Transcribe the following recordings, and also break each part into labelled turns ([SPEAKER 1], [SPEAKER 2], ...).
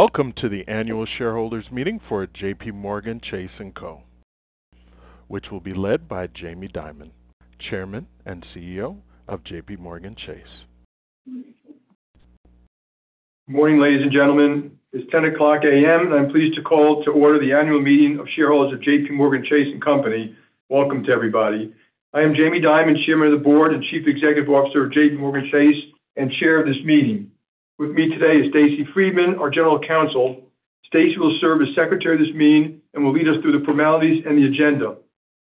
[SPEAKER 1] Welcome to the annual shareholders meeting for JPMorgan Chase & Co., which will be led by Jamie Dimon, Chairman and CEO of JPMorgan Chase.
[SPEAKER 2] Good morning, ladies and gentlemen. It's 10:00 A.M., and I'm pleased to call to order the annual meeting of shareholders of JPMorgan Chase & Company. Welcome to everybody. I am Jamie Dimon, Chairman of the Board and Chief Executive Officer of JPMorgan Chase, and chair of this meeting. With me today is Stacey Friedman, our general counsel. Stacey will serve as secretary of this meeting and will lead us through the formalities and the agenda.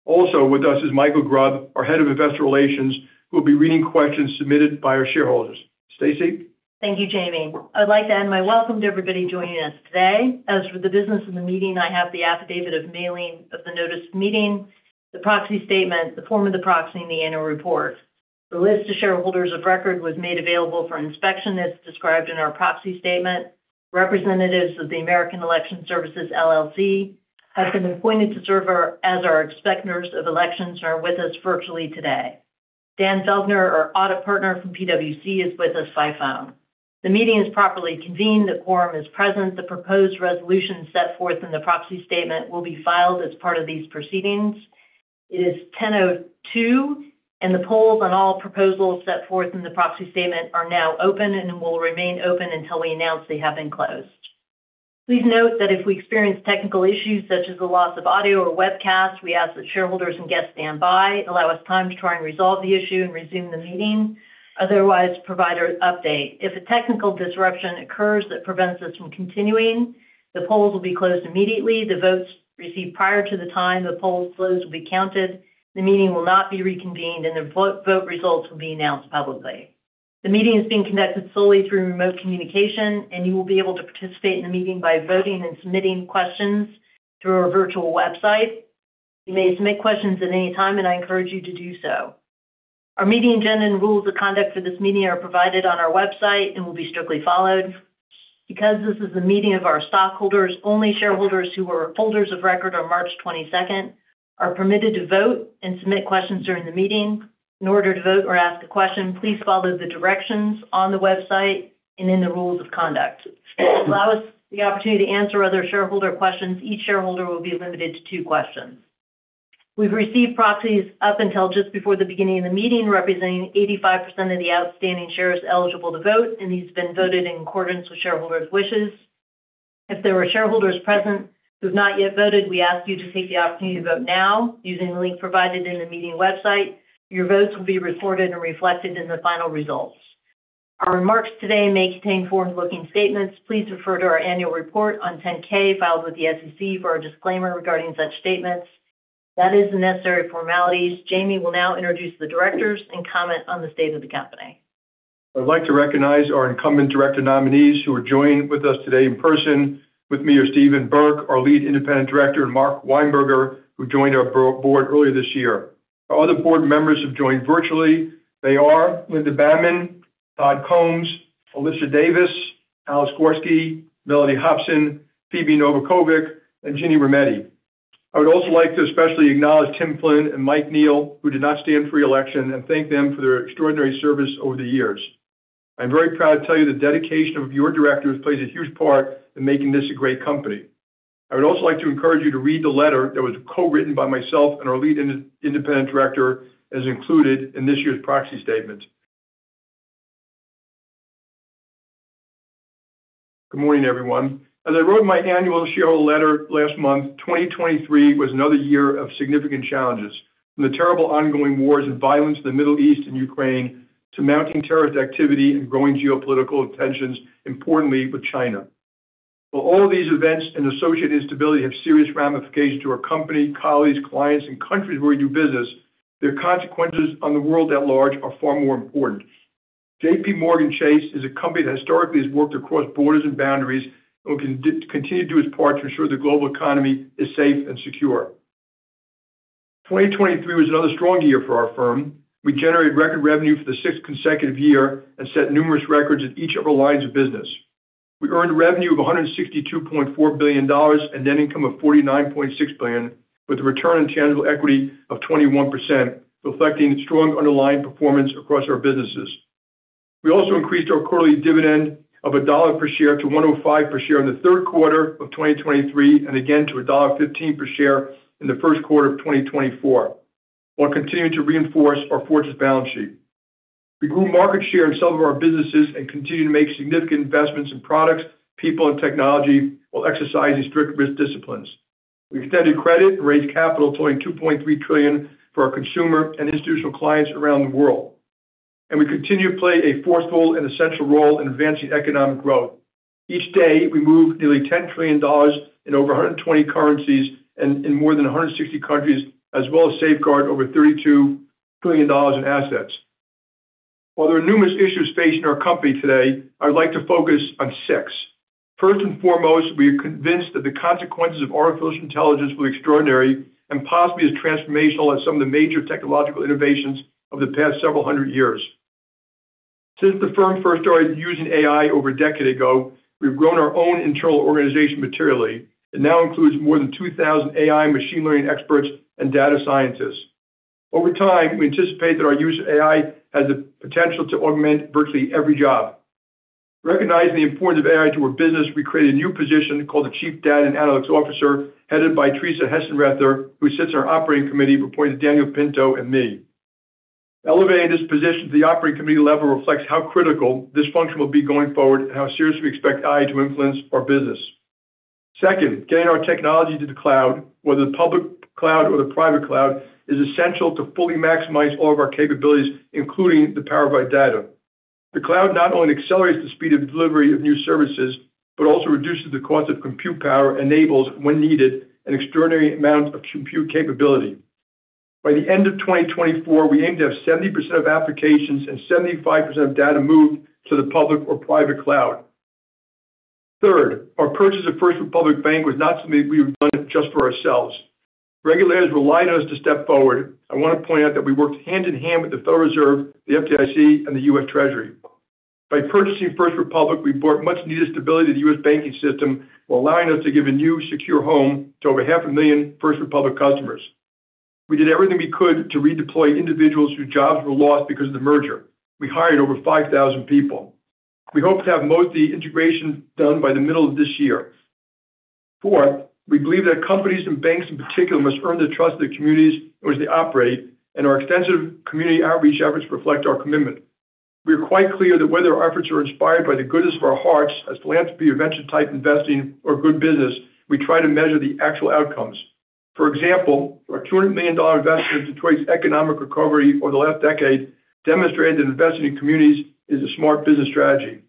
[SPEAKER 2] Also with us is Mikael Grubb, our head of Investor Relations, who will be reading questions submitted by our shareholders. Stacey?
[SPEAKER 3] Thank you, Jamie. I'd like to add my welcome to everybody joining us today. As for the business of the meeting, I have the affidavit of mailing of the notice of meeting, the proxy statement, the form of the proxy, and the annual report. The list of shareholders of record was made available for inspection as described in our proxy statement. Representatives of the America Election Services, LLC, have been appointed to serve as our inspectors of elections, are with us virtually today. Dan Feldner, our audit partner from PwC, is with us by phone. The meeting is properly convened, the quorum is present. The proposed resolution set forth in the proxy statement will be filed as part of these proceedings. It is 10:02 A.M., and the polls on all proposals set forth in the proxy statement are now open and will remain open until we announce they have been closed. Please note that if we experience technical issues such as the loss of audio or webcast, we ask that shareholders and guests stand by, allow us time to try and resolve the issue and resume the meeting. Otherwise, provide an update. If a technical disruption occurs that prevents us from continuing, the polls will be closed immediately. The votes received prior to the time the polls close will be counted. The meeting will not be reconvened, and the vote results will be announced publicly. The meeting is being conducted solely through remote communication, and you will be able to participate in the meeting by voting and submitting questions through our virtual website. You may submit questions at any time, and I encourage you to do so. Our meeting agenda and rules of conduct for this meeting are provided on our website and will be strictly followed. Because this is a meeting of our stockholders, only shareholders who were holders of record on March 22nd are permitted to vote and submit questions during the meeting. In order to vote or ask a question, please follow the directions on the website and in the rules of conduct. To allow us the opportunity to answer other shareholder questions, each shareholder will be limited to 2 questions. We've received proxies up until just before the beginning of the meeting, representing 85% of the outstanding shares eligible to vote, and these have been voted in accordance with shareholders' wishes. If there are shareholders present who have not yet voted, we ask you to take the opportunity to vote now using the link provided in the meeting website. Your votes will be recorded and reflected in the final results. Our remarks today may contain forward-looking statements. Please refer to our annual report on Form 10-K, filed with the SEC, for our disclaimer regarding such statements. That is the necessary formalities. Jamie will now introduce the directors and comment on the state of the company.
[SPEAKER 2] I'd like to recognize our incumbent director nominees, who are joined with us today in person. With me are Stephen Burke, our lead independent director, and Mark Weinberger, who joined our board earlier this year. Our other board members have joined virtually. They are Linda Bammann, Todd Combs, Alicia Boler Davis, Alex Gorsky, Mellody Hobson, Phoebe Novakovic, and Ginni Rometty. I would also like to especially acknowledge Tim Flynn and Mike Neal, who did not stand for reelection, and thank them for their extraordinary service over the years. I'm very proud to tell you the dedication of your directors plays a huge part in making this a great company. I would also like to encourage you to read the letter that was co-written by myself and our lead independent director, as included in this year's proxy statement. Good morning, everyone. As I wrote in my annual shareholder letter last month, 2023 was another year of significant challenges, from the terrible ongoing wars and violence in the Middle East and Ukraine, to mounting terrorist activity and growing geopolitical tensions, importantly with China. While all of these events and associated instability have serious ramifications to our company, colleagues, clients, and countries where we do business, their consequences on the world at large are far more important. JPMorgan Chase is a company that historically has worked across borders and boundaries and will continue to do its part to ensure the global economy is safe and secure. 2023 was another strong year for our firm. We generated record revenue for the sixth consecutive year and set numerous records in each of our lines of business. We earned revenue of $162.4 billion, and net income of $49.6 billion, with a return on tangible equity of 21%, reflecting strong underlying performance across our businesses. We also increased our quarterly dividend of $1 per share to $1.05 per share in the third quarter of 2023, and again to $1.15 per share in the first quarter of 2024, while continuing to reinforce our fortress balance sheet. We grew market share in some of our businesses and continued to make significant investments in products, people, and technology while exercising strict risk disciplines. We extended credit and raised capital to $2.3 trillion for our consumer and institutional clients around the world, and we continue to play a forceful and essential role in advancing economic growth. Each day, we move nearly $10 trillion in over 120 currencies and in more than 160 countries, as well as safeguard over $32 billion in assets. While there are numerous issues facing our company today, I'd like to focus on six. First and foremost, we are convinced that the consequences of artificial intelligence will be extraordinary and possibly as transformational as some of the major technological innovations of the past several hundred years. Since the firm first started using AI over a decade ago, we've grown our own internal organization materially. It now includes more than 2,000 AI machine learning experts and data scientists.... Over time, we anticipate that our use of AI has the potential to augment virtually every job. Recognizing the importance of AI to our business, we created a new position called the Chief Data and Analytics Officer, headed by Teresa Heitsenrether, who sits on our operating committee, reporting to Daniel Pinto and me. Elevating this position to the operating committee level reflects how critical this function will be going forward, and how seriously we expect AI to influence our business. Second, getting our technology to the cloud, whether the public cloud or the private cloud, is essential to fully maximize all of our capabilities, including the power of our data. The cloud not only accelerates the speed of delivery of new services, but also reduces the cost of compute power, enables, when needed, an extraordinary amount of compute capability. By the end of 2024, we aim to have 70% of applications and 75% of data moved to the public or private cloud. Third, our purchase of First Republic Bank was not something we had done just for ourselves. Regulators relied on us to step forward. I want to point out that we worked hand in hand with the Federal Reserve, the FDIC, and the U.S. Treasury. By purchasing First Republic, we brought much-needed stability to the U.S. banking system, while allowing us to give a new, secure home to over 500,000 First Republic customers. We did everything we could to redeploy individuals whose jobs were lost because of the merger. We hired over 5,000 people. We hope to have most of the integration done by the middle of this year. Fourth, we believe that companies and banks, in particular, must earn the trust of the communities in which they operate, and our extensive community outreach efforts reflect our commitment. We are quite clear that whether our efforts are inspired by the goodness of our hearts as philanthropy or venture-type investing or good business, we try to measure the actual outcomes. For example, our $200 million investment into Detroit's economic recovery over the last decade demonstrated that investing in communities is a smart business strategy.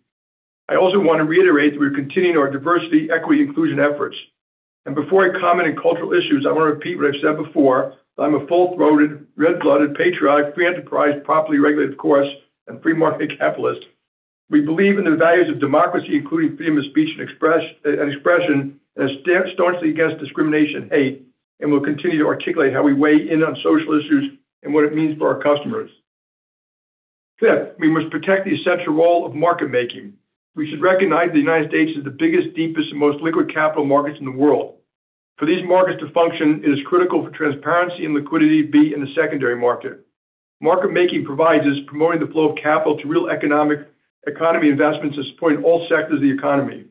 [SPEAKER 2] I also want to reiterate that we're continuing our diversity, equity, and inclusion efforts. Before I comment on cultural issues, I want to repeat what I've said before, that I'm a full-throated, red-blooded, patriotic, free enterprise, properly regulated, of course, and free market capitalist. We believe in the values of democracy, including freedom of speech and expression, and stand staunchly against discrimination and hate, and we'll continue to articulate how we weigh in on social issues and what it means for our customers. Fifth, we must protect the essential role of market making. We should recognize the United States is the biggest, deepest, and most liquid capital markets in the world. For these markets to function, it is critical for transparency and liquidity be in the secondary market. Market making provides us promoting the flow of capital to real economic, economy investments to support all sectors of the economy.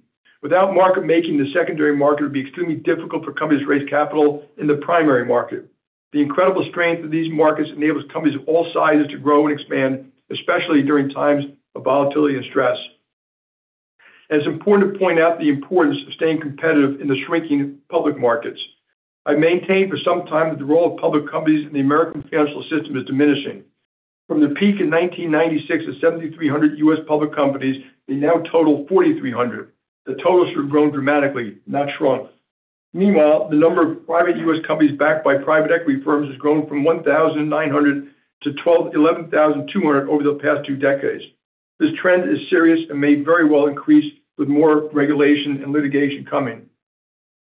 [SPEAKER 2] Without market making, the secondary market would be extremely difficult for companies to raise capital in the primary market. The incredible strength of these markets enables companies of all sizes to grow and expand, especially during times of volatility and stress. And it's important to point out the importance of staying competitive in the shrinking public markets. I've maintained for some time that the role of public companies in the American financial system is diminishing. From the peak in 1996 of 7,300 US public companies, they now total 4,300. The totals have grown dramatically, not shrunk. Meanwhile, the number of private US companies backed by private equity firms has grown from 1,900 to 11,200 over the past two decades. This trend is serious and may very well increase with more regulation and litigation coming.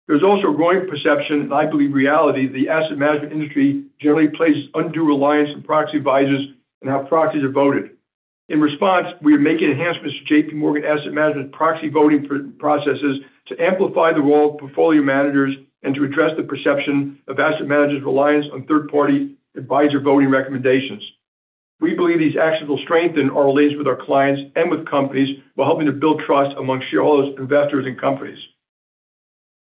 [SPEAKER 2] There's also a growing perception, and I believe reality, the asset management industry generally places undue reliance on proxy advisors and how proxies are voted. In response, we are making enhancements to J.P. Morgan Asset Management proxy voting processes to amplify the role of portfolio managers and to address the perception of asset managers' reliance on third-party advisor voting recommendations. We believe these actions will strengthen our relations with our clients and with companies, while helping to build trust among shareholders, investors, and companies.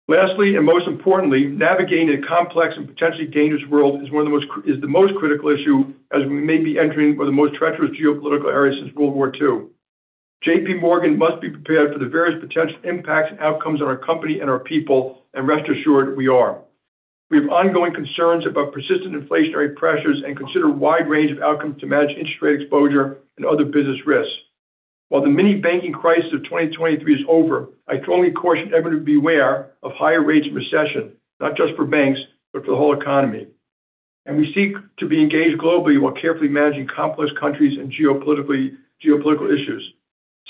[SPEAKER 2] Lastly, and most importantly, navigating a complex and potentially dangerous world is the most critical issue, as we may be entering one of the most treacherous geopolitical areas since World War II. J.P. Morgan must be prepared for the various potential impacts and outcomes on our company and our people, and rest assured, we are. We have ongoing concerns about persistent inflationary pressures and consider a wide range of outcomes to manage interest rate exposure and other business risks. While the mini banking crisis of 2023 is over, I strongly caution everyone to beware of higher rates of recession, not just for banks, but for the whole economy. We seek to be engaged globally while carefully managing complex countries and geopolitically, geopolitical issues.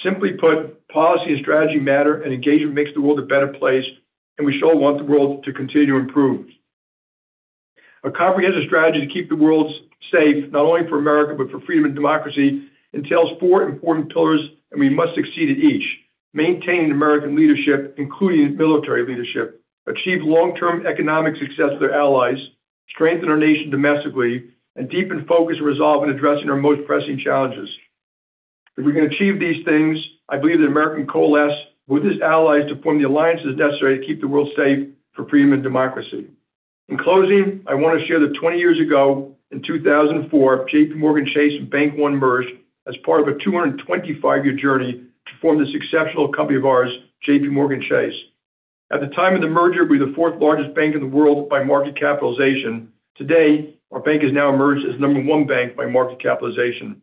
[SPEAKER 2] Simply put, policy and strategy matter, and engagement makes the world a better place, and we sure want the world to continue to improve. A comprehensive strategy to keep the world safe, not only for America, but for freedom and democracy, entails four important pillars, and we must succeed at each: maintaining American leadership, including military leadership, achieve long-term economic success with our allies, strengthen our nation domestically, and deepen focus and resolve in addressing our most pressing challenges. If we can achieve these things, I believe that American can coalesce with its allies to form the alliances necessary to keep the world safe for freedom and democracy. In closing, I want to share that 20 years ago, in 2004. JPMorgan Chase and Bank One merged as part of a 225-year journey to form this exceptional company of ours, JPMorgan Chase. At the time of the merger, we were the fourth largest bank in the world by market capitalization. Today, our bank has now emerged as the number one bank by market capitalization.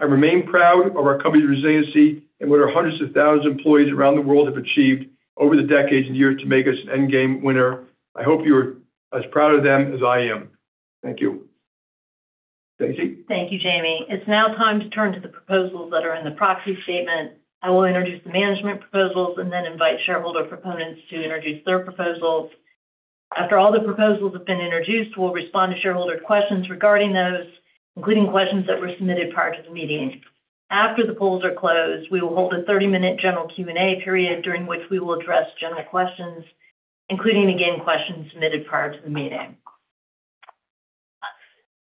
[SPEAKER 2] I remain proud of our company's resiliency and what our hundreds of thousands of employees around the world have achieved over the decades and years to make us an end-game winner. I hope you are as proud of them as I am. Thank you. Stacey?
[SPEAKER 3] Thank you, Jamie. It's now time to turn to the proposals that are in the Proxy Statement. I will introduce the management proposals and then invite shareholder proponents to introduce their proposals. After all the proposals have been introduced, we'll respond to shareholder questions regarding those, including questions that were submitted prior to the meeting. After the polls are closed, we will hold a 30-minute general Q&A period, during which we will address general questions... including, again, questions submitted prior to the meeting.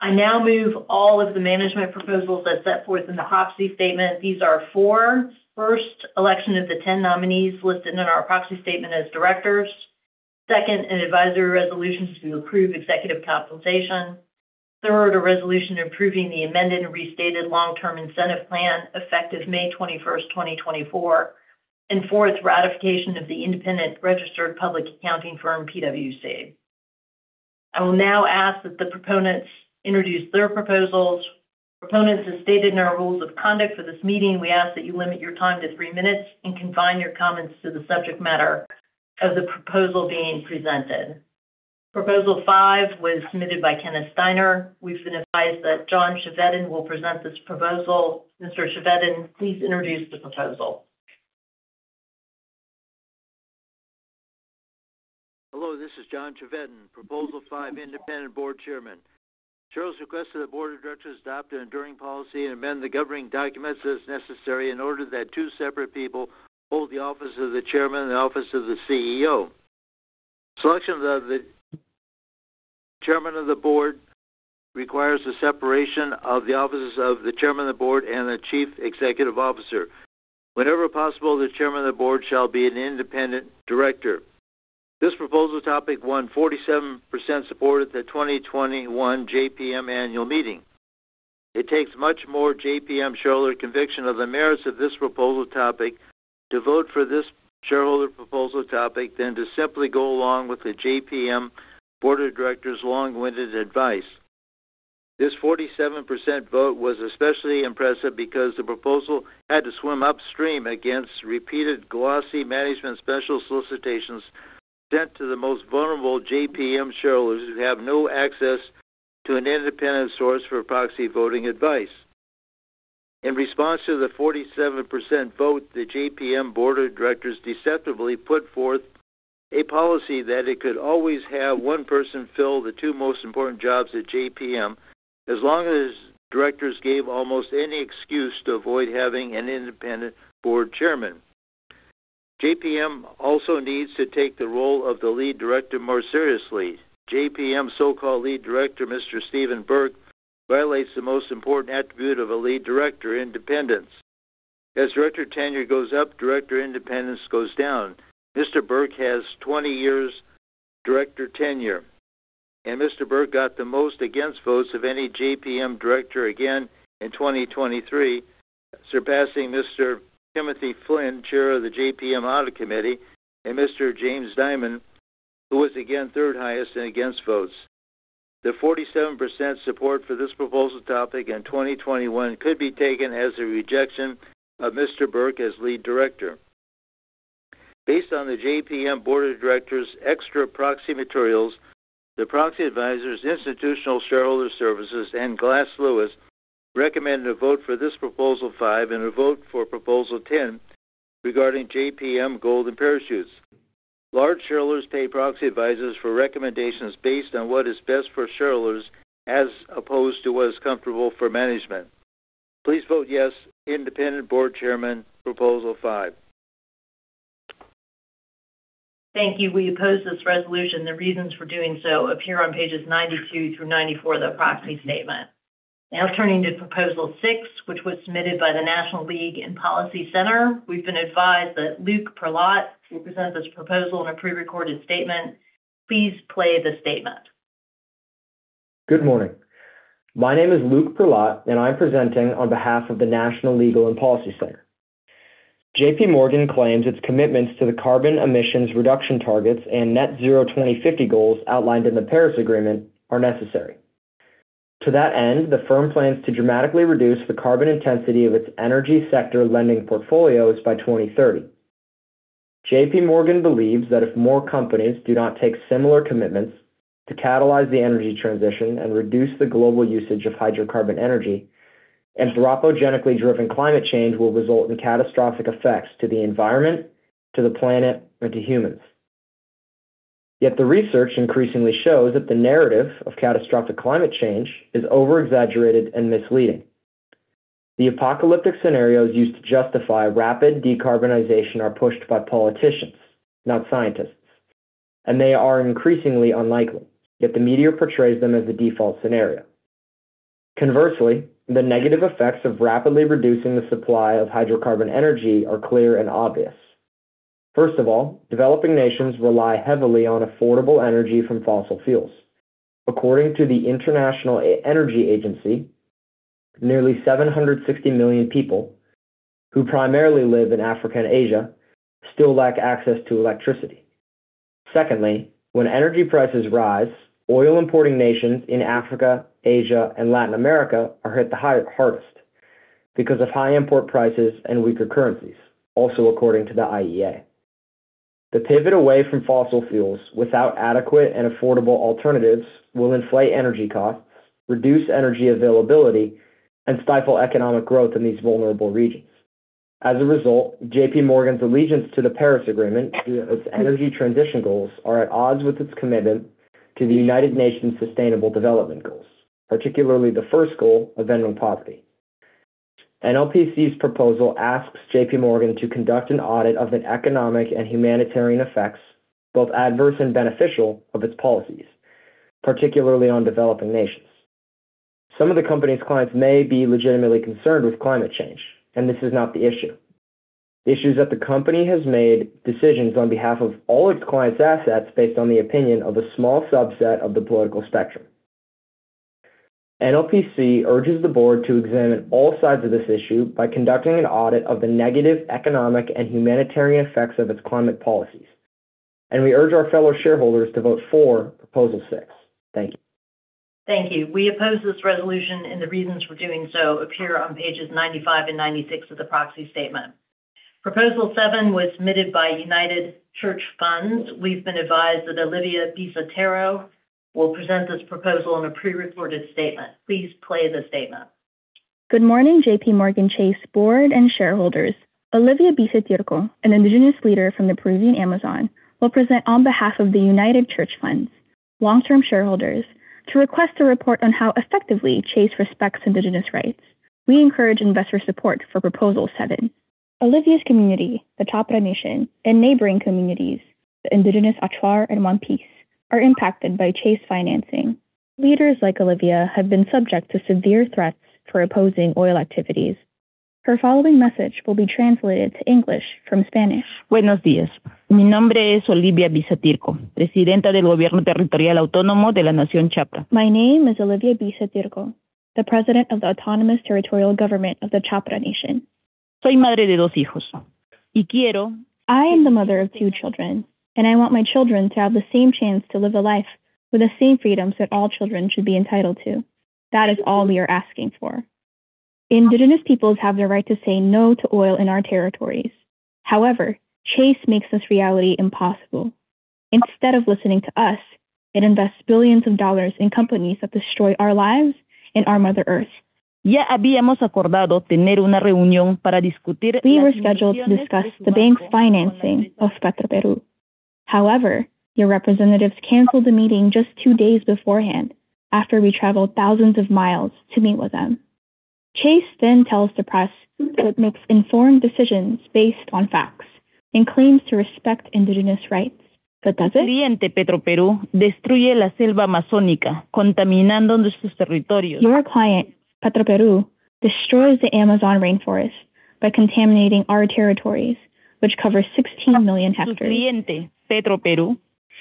[SPEAKER 3] I now move all of the management proposals as set forth in the Proxy Statement. These are 4. First, election of the 10 nominees listed in our Proxy Statement as directors. Second, an advisory resolution to approve executive compensation. Third, a resolution approving the amended and restated long-term incentive plan, effective May 21st, 2024. And fourth, ratification of the independent registered public accounting firm, PwC. I will now ask that the proponents introduce their proposals. Proponents, as stated in our rules of conduct for this meeting, we ask that you limit your time to three minutes and confine your comments to the subject matter of the proposal being presented. Proposal five was submitted by Kenneth Steiner. We've been advised that John Chevedden will present this proposal. Mr. Chevedden, please introduce the proposal.
[SPEAKER 4] Hello, this is John Chevedden, Proposal Five, independent board chairman. Shareholders request that the board of directors adopt an enduring policy and amend the governing documents as necessary in order that two separate people hold the office of the chairman and the office of the CEO. Selection of the chairman of the board requires the separation of the offices of the chairman of the board and the chief executive officer. Whenever possible, the chairman of the board shall be an independent director. This proposal topic won 47% support at the 2021 JPM annual meeting. It takes much more JPM shareholder conviction of the merits of this proposal topic to vote for this shareholder proposal topic than to simply go along with the JPM board of directors' long-winded advice. This 47% vote was especially impressive because the proposal had to swim upstream against repeated glossy management special solicitations sent to the most vulnerable JPM shareholders who have no access to an independent source for proxy voting advice. In response to the 47% vote, the JPM board of directors deceptively put forth a policy that it could always have one person fill the two most important jobs at JPM, as long as directors gave almost any excuse to avoid having an independent board chairman. JPM also needs to take the role of the lead director more seriously. JPM's so-called lead director, Mr. Steven Burke, violates the most important attribute of a lead director, independence. As director tenure goes up, director independence goes down. Mr. Burke has 20 years director tenure, and Mr. Burke got the most against votes of any JPM director again in 2023, surpassing Mr. Tim Flynn, chair of the JPM Audit Committee, and Mr. Jamie Dimon, who was again third highest in against votes. The 47% support for this proposal topic in 2021 could be taken as a rejection of Mr. Burke as lead director. Based on the JPM board of directors' extra proxy materials, the proxy advisors, Institutional Shareholder Services, and Glass Lewis recommended a vote for this proposal 5 and a vote for proposal 10 regarding JPM golden parachutes. Large shareholders pay proxy advisors for recommendations based on what is best for shareholders, as opposed to what is comfortable for management. Please vote yes, independent board chairman, proposal 5.
[SPEAKER 3] Thank you. We oppose this resolution. The reasons for doing so appear on pages 92 through 94 of the Proxy Statement. Now turning to Proposal 6, which was submitted by the National Legal and Policy Center. We've been advised that Luke Perlot will present this proposal in a prerecorded statement. Please play the statement.
[SPEAKER 5] Good morning. My name is Luke Perlot, and I'm presenting on behalf of the National Legal and Policy Center. JPMorgan claims its commitments to the carbon emissions reduction targets and net zero 2050 goals outlined in the Paris Agreement are necessary. To that end, the firm plans to dramatically reduce the carbon intensity of its energy sector lending portfolios by 2030. JPMorgan believes that if more companies do not take similar commitments to catalyze the energy transition and reduce the global usage of hydrocarbon energy, anthropogenically driven climate change will result in catastrophic effects to the environment, to the planet, and to humans. Yet the research increasingly shows that the narrative of catastrophic climate change is over exaggerated and misleading. The apocalyptic scenarios used to justify rapid decarbonization are pushed by politicians, not scientists, and they are increasingly unlikely, yet the media portrays them as the default scenario. Conversely, the negative effects of rapidly reducing the supply of hydrocarbon energy are clear and obvious. First of all, developing nations rely heavily on affordable energy from fossil fuels. According to the International Energy Agency, nearly 760 million people, who primarily live in Africa and Asia, still lack access to electricity. Secondly, when energy prices rise, oil importing nations in Africa, Asia, and Latin America are hit the hardest because of high import prices and weaker currencies, also according to the IEA. The pivot away from fossil fuels without adequate and affordable alternatives will inflate energy costs, reduce energy availability, and stifle economic growth in these vulnerable regions. As a result, JPMorgan's allegiance to the Paris Agreement, its energy transition goals, are at odds with its commitment to the United Nations Sustainable Development Goals, particularly the first goal of ending poverty. NLPC's proposal asks JPMorgan to conduct an audit of the economic and humanitarian effects, both adverse and beneficial, of its policies, particularly on developing nations. Some of the company's clients may be legitimately concerned with climate change, and this is not the issue. The issue is that the company has made decisions on behalf of all its clients' assets based on the opinion of a small subset of the political spectrum. NLPC urges the board to examine all sides of this issue by conducting an audit of the negative economic and humanitarian effects of its climate policies, and we urge our fellow shareholders to vote for Proposal Six. Thank you.
[SPEAKER 3] Thank you. We oppose this resolution, and the reasons for doing so appear on pages 95 and 96 of the proxy statement. Proposal Seven was submitted by United Church Funds. We've been advised that Olivia Bisa Tirko will present this proposal in a prerecorded statement. Please play the statement.
[SPEAKER 6] Good morning, JPMorgan Chase Board and shareholders. Olivia Bisa Tirko, an Indigenous leader from the Peruvian Amazon, will present on behalf of the United Church Funds, long-term shareholders, to request a report on how effectively Chase respects Indigenous rights. We encourage investor support for Proposal 7. Olivia's community, the Shipibo nation, and neighboring communities, the Indigenous Achuar and Muipis, are impacted by Chase financing. Leaders like Olivia have been subject to severe threats for opposing oil activities. Her following message will be translated to English from Spanish. Buenos días. Mi nombre es Olivia Bisa Tirko, Presidenta del Gobierno Territorial Autónomo de la Nación Shipibo. My name is Olivia Bisa Tirko, the President of the Autonomous Territorial Government of the Shipibo Nation. Soy madre de dos hijos, y quiero- I am the mother of two children, and I want my children to have the same chance to live a life with the same freedoms that all children should be entitled to. That is all we are asking for. Indigenous Peoples have the right to say no to oil in our territories. However, Chase makes this reality impossible. Instead of listening to us, it invests $ billions in companies that destroy our lives and our Mother Earth. Ya habíamos acordado tener una reunión para discutir- We were scheduled to discuss the bank's financing of Petroperu. However, your representatives canceled the meeting just two days beforehand, after we traveled thousands of miles to meet with them. Chase then tells the press that it makes informed decisions based on facts and claims to respect Indigenous rights. But does it?... Petroperu destruye la selva Amazonica, contaminando nuestros territorios. Your client, Petroperu, destroys the Amazon rainforest by contaminating our territories, which cover 16 million hectares. Su cliente, Petroperu,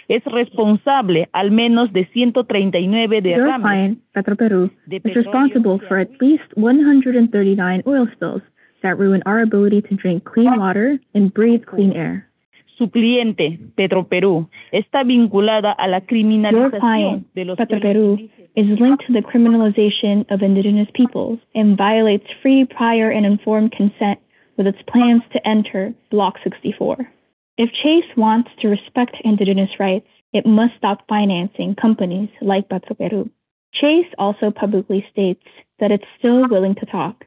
[SPEAKER 6] es responsable al menos de 139 derrames- Your client, Petroperu, is responsible for at least 139 oil spills that ruin our ability to drink clean water and breathe clean air. Su cliente, Petroperú, está vinculada a la criminalización- Your client, Petroperu, is linked to the criminalization of Indigenous peoples and violates free, prior, and informed consent with its plans to enter Block 64. If Chase wants to respect Indigenous rights, it must stop financing companies like Petroperu. Chase also publicly states that it's still willing to talk.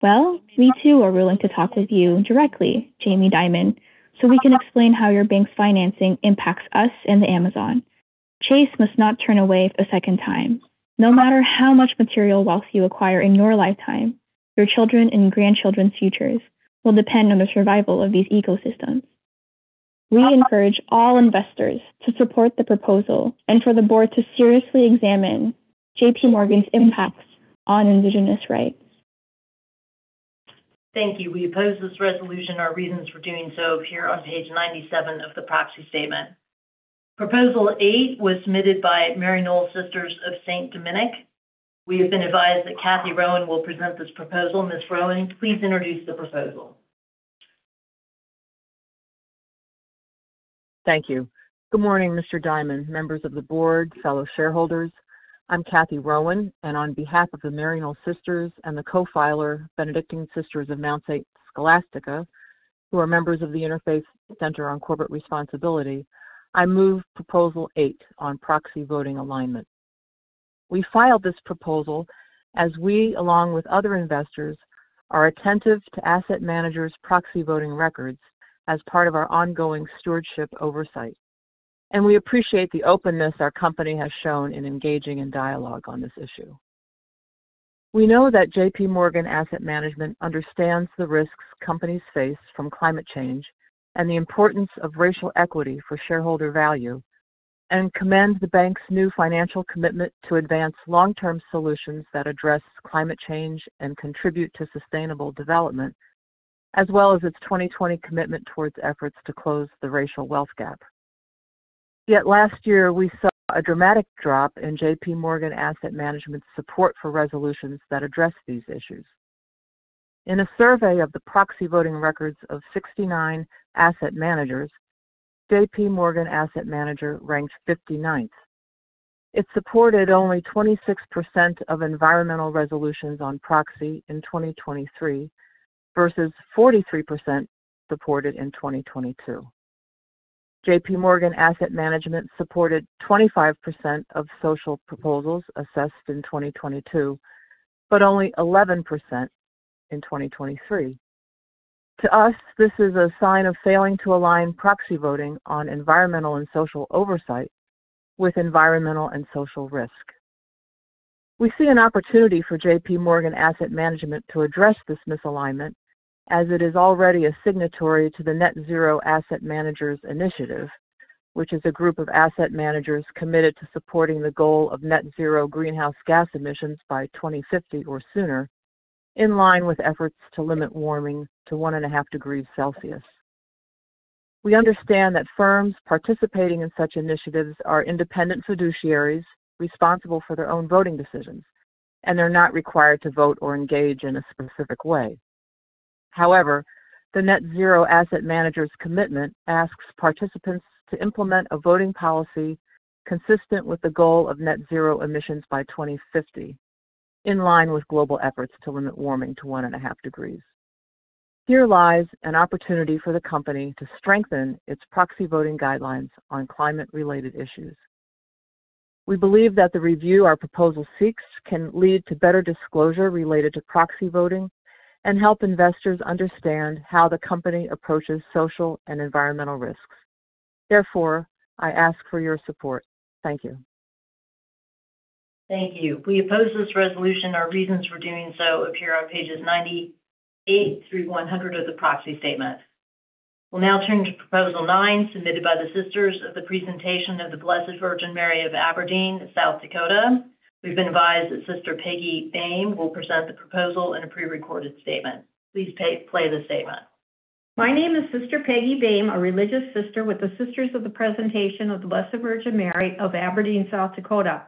[SPEAKER 6] Well, we too are willing to talk with you directly, Jamie Dimon, so we can explain how your bank's financing impacts us and the Amazon. Chase must not turn away a second time. No matter how much material wealth you acquire in your lifetime, your children and grandchildren's futures will depend on the survival of these ecosystems. We encourage all investors to support the proposal and for the board to seriously examine JPMorgan's impacts on Indigenous rights.
[SPEAKER 3] Thank you. We oppose this resolution. Our reasons for doing so appear on page 97 of the proxy statement. Proposal 8 was submitted by Maryknoll Sisters of St. Dominic. We have been advised that Kathy Rowan will present this proposal. Ms. Rowan, please introduce the proposal.
[SPEAKER 7] Thank you. Good morning, Mr. Dimon, members of the board, fellow shareholders. I'm Kathy Rowan, and on behalf of the Maryknoll Sisters and the co-filer, Benedictine Sisters of Mount St. Scholastica, who are members of the Interfaith Center on Corporate Responsibility, I move Proposal Eight on proxy voting alignment. We filed this proposal as we, along with other investors, are attentive to asset managers' proxy voting records as part of our ongoing stewardship oversight, and we appreciate the openness our company has shown in engaging in dialogue on this issue. We know that JPMorgan Asset Management understands the risks companies face from climate change and the importance of racial equity for shareholder value, and commend the bank's new financial commitment to advance long-term solutions that address climate change and contribute to sustainable development, as well as its 2020 commitment towards efforts to close the racial wealth gap. Yet last year, we saw a dramatic drop in J.P. Morgan Asset Management's support for resolutions that address these issues. In a survey of the proxy voting records of 69 asset managers, J.P. Morgan Asset Management ranked 59th. It supported only 26% of environmental resolutions on proxy in 2023, versus 43% supported in 2022. J.P. Morgan Asset Management supported 25% of social proposals assessed in 2022, but only 11% in 2023... To us, this is a sign of failing to align proxy voting on environmental and social oversight with environmental and social risk. We see an opportunity for J.P. Morgan Asset Management to address this misalignment, as it is already a signatory to the Net-Zero Asset Managers Initiative, which is a group of asset managers committed to supporting the goal of net zero greenhouse gas emissions by 2050 or sooner, in line with efforts to limit warming to 1.5 degrees Celsius. We understand that firms participating in such initiatives are independent fiduciaries responsible for their own voting decisions, and they're not required to vote or engage in a specific way. However, the Net-Zero Asset Managers commitment asks participants to implement a voting policy consistent with the goal of net zero emissions by 2050, in line with global efforts to limit warming to 1.5 degrees. Here lies an opportunity for the company to strengthen its proxy voting guidelines on climate-related issues. We believe that the review our proposal seeks can lead to better disclosure related to proxy voting and help investors understand how the company approaches social and environmental risks. Therefore, I ask for your support. Thank you.
[SPEAKER 3] Thank you. We oppose this resolution, our reasons for doing so appear on pages 98 through 100 of the proxy statement. We'll now turn to Proposal 9, submitted by the Sisters of the Presentation of the Blessed Virgin Mary of Aberdeen, South Dakota. We've been advised that Sister Peggy Boehm will present the proposal in a prerecorded statement. Please play the statement.
[SPEAKER 8] My name is Sister Peggy Boehm, a religious sister with the Sisters of the Presentation of the Blessed Virgin Mary of Aberdeen, South Dakota.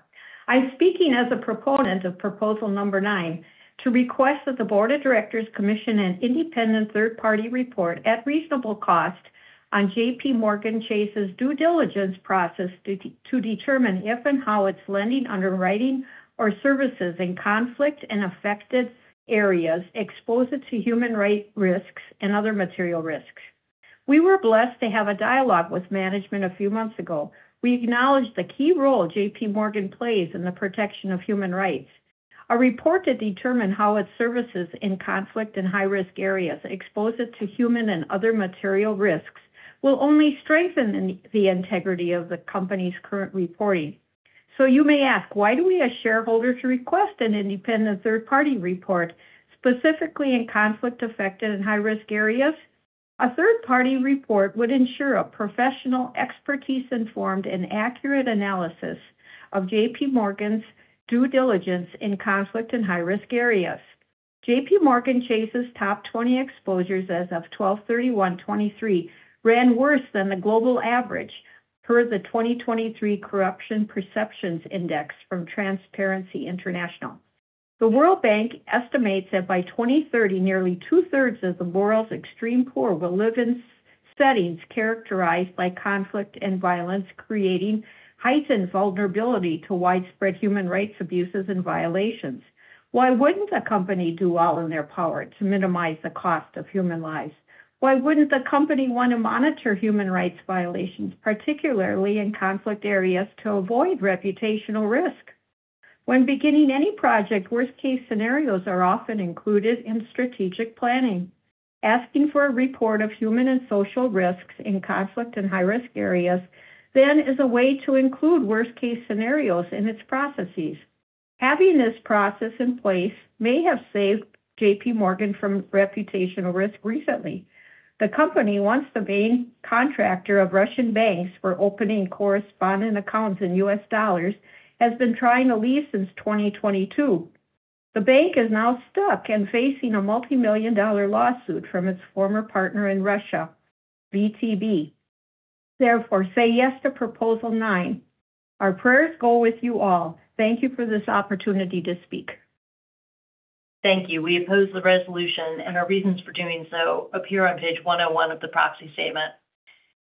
[SPEAKER 8] I'm speaking as a proponent of Proposal 9, to request that the board of directors commission an independent third-party report at reasonable cost on JPMorgan Chase's due diligence process to determine if and how its lending, underwriting, or services in conflict-affected areas expose it to human rights risks and other material risks. We were blessed to have a dialogue with management a few months ago. We acknowledge the key role JPMorgan plays in the protection of human rights. A report to determine how its services in conflict-affected high-risk areas expose it to human and other material risks will only strengthen the integrity of the company's current reporting. So you may ask, why do we as shareholders request an independent third-party report, specifically in conflict-affected and high-risk areas? A third-party report would ensure a professional expertise-informed and accurate analysis of JPMorgan's due diligence in conflict in high-risk areas. JPMorgan Chase's top 20 exposures as of 12/31/2023 ran worse than the global average per the 2023 Corruption Perceptions Index from Transparency International. The World Bank estimates that by 2030, nearly two-thirds of the world's extreme poor will live in settings characterized by conflict and violence, creating heightened vulnerability to widespread human rights abuses and violations. Why wouldn't a company do all in their power to minimize the cost of human lives? Why wouldn't a company want to monitor human rights violations, particularly in conflict areas, to avoid reputational risk? When beginning any project, worst-case scenarios are often included in strategic planning. Asking for a report of human and social risks in conflict in high-risk areas, then, is a way to include worst-case scenarios in its processes. Having this process in place may have saved JPMorgan from reputational risk recently. The company, once the main contractor of Russian banks for opening correspondent accounts in U.S. dollars, has been trying to leave since 2022. The bank is now stuck and facing a multimillion-dollar lawsuit from its former partner in Russia, VTB. Therefore, say yes to Proposal Nine. Our prayers go with you all. Thank you for this opportunity to speak.
[SPEAKER 3] Thank you. We oppose the resolution, and our reasons for doing so appear on page 101 of the Proxy Statement.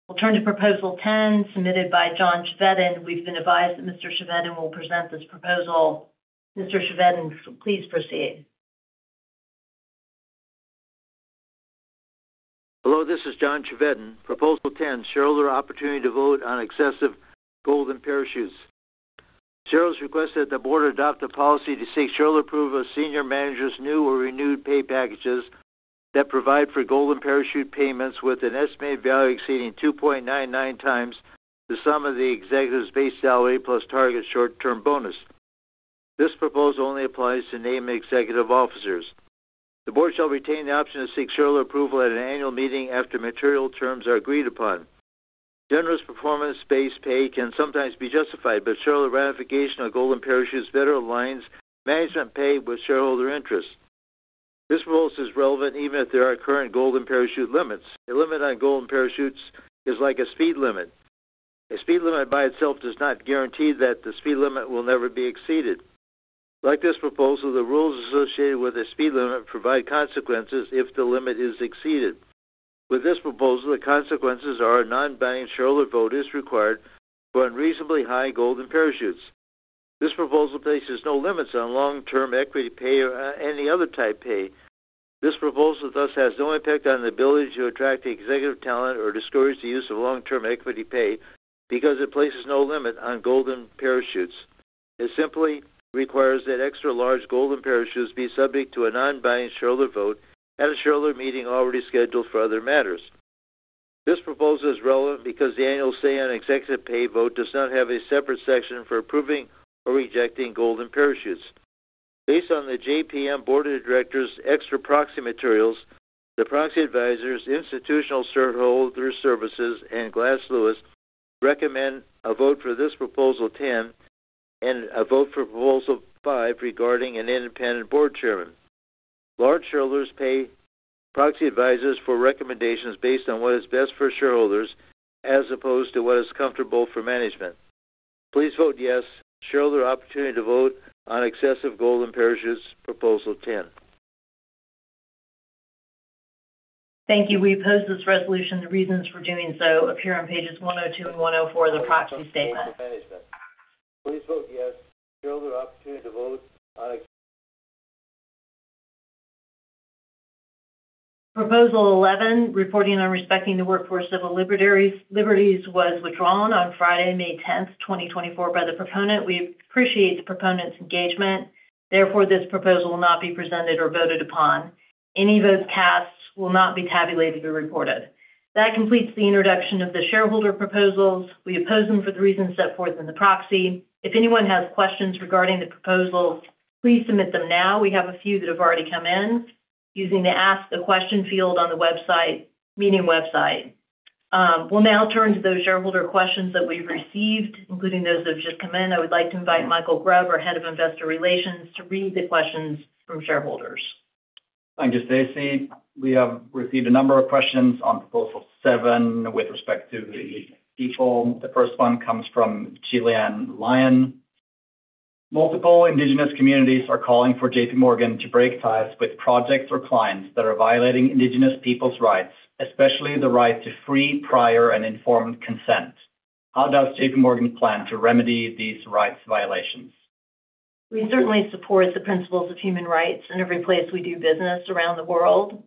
[SPEAKER 3] We'll turn to Proposal 10, submitted by John Chevedden. We've been advised that Mr. Chevedden will present this proposal. Mr. Chevedden, please proceed.
[SPEAKER 4] Hello, this is John Chevedden, Proposal 10, shareholder opportunity to vote on excessive golden parachutes. Shareholders request that the board adopt a policy to seek shareholder approval of senior managers' new or renewed pay packages that provide for golden parachute payments with an estimated value exceeding 2.99 times the sum of the executive's base salary plus target short-term bonus. This proposal only applies to named executive officers. The board shall retain the option to seek shareholder approval at an annual meeting after material terms are agreed upon. Generous performance-based pay can sometimes be justified, but shareholder ratification of golden parachutes better aligns management pay with shareholder interest. This rule is relevant even if there are current golden parachute limits. A limit on golden parachutes is like a speed limit. A speed limit by itself does not guarantee that the speed limit will never be exceeded. Like this proposal, the rules associated with a speed limit provide consequences if the limit is exceeded. With this proposal, the consequences are a non-binding shareholder vote is required for unreasonably high Golden Parachutes. This proposal places no limits on long-term equity pay or any other type pay. This proposal, thus, has no impact on the ability to attract executive talent or discourage the use of long-term equity pay because it places no limit on Golden Parachutes... It simply requires that extra large Golden Parachutes be subject to a non-binding shareholder vote at a shareholder meeting already scheduled for other matters. This proposal is relevant because the annual say on executive pay vote does not have a separate section for approving or rejecting Golden Parachutes. Based on the JPM Board of Directors extra proxy materials, the proxy advisors, Institutional Shareholder Services, and Glass Lewis, recommend a vote for this Proposal Ten, and a vote for Proposal Five regarding an independent board chairman. Large shareholders pay proxy advisors for recommendations based on what is best for shareholders, as opposed to what is comfortable for management. Please vote yes. Shareholder opportunity to vote on excessive golden parachutes, Proposal Ten.
[SPEAKER 3] Thank you. We oppose this resolution. The reasons for doing so appear on pages 102 and 104 of the proxy statement.
[SPEAKER 4] Management. Please vote yes. Shareholder opportunity to vote on-
[SPEAKER 3] Proposal Eleven, Reporting on Respecting the Workforce Civil Liberties, Liberties, was withdrawn on Friday, May 10, 2024, by the proponent. We appreciate the proponent's engagement, therefore, this proposal will not be presented or voted upon. Any votes cast will not be tabulated or reported. That completes the introduction of the shareholder proposals. We oppose them for the reasons set forth in the proxy. If anyone has questions regarding the proposals, please submit them now, we have a few that have already come in, using the Ask a Question field on the website, meeting website. We'll now turn to those shareholder questions that we've received, including those that have just come in. I would like to invite Mikael Grubb, our Head of Investor Relations, to read the questions from shareholders.
[SPEAKER 9] Thank you, Stacey. We have received a number of questions on Proposal 7 with respect to the people. The first one comes from Gillian Lyons. Multiple indigenous communities are calling for JPMorgan to break ties with projects or clients that are violating indigenous peoples' rights, especially the right to free, prior, and informed consent. How does JPMorgan plan to remedy these rights violations?
[SPEAKER 3] We certainly support the principles of human rights in every place we do business around the world.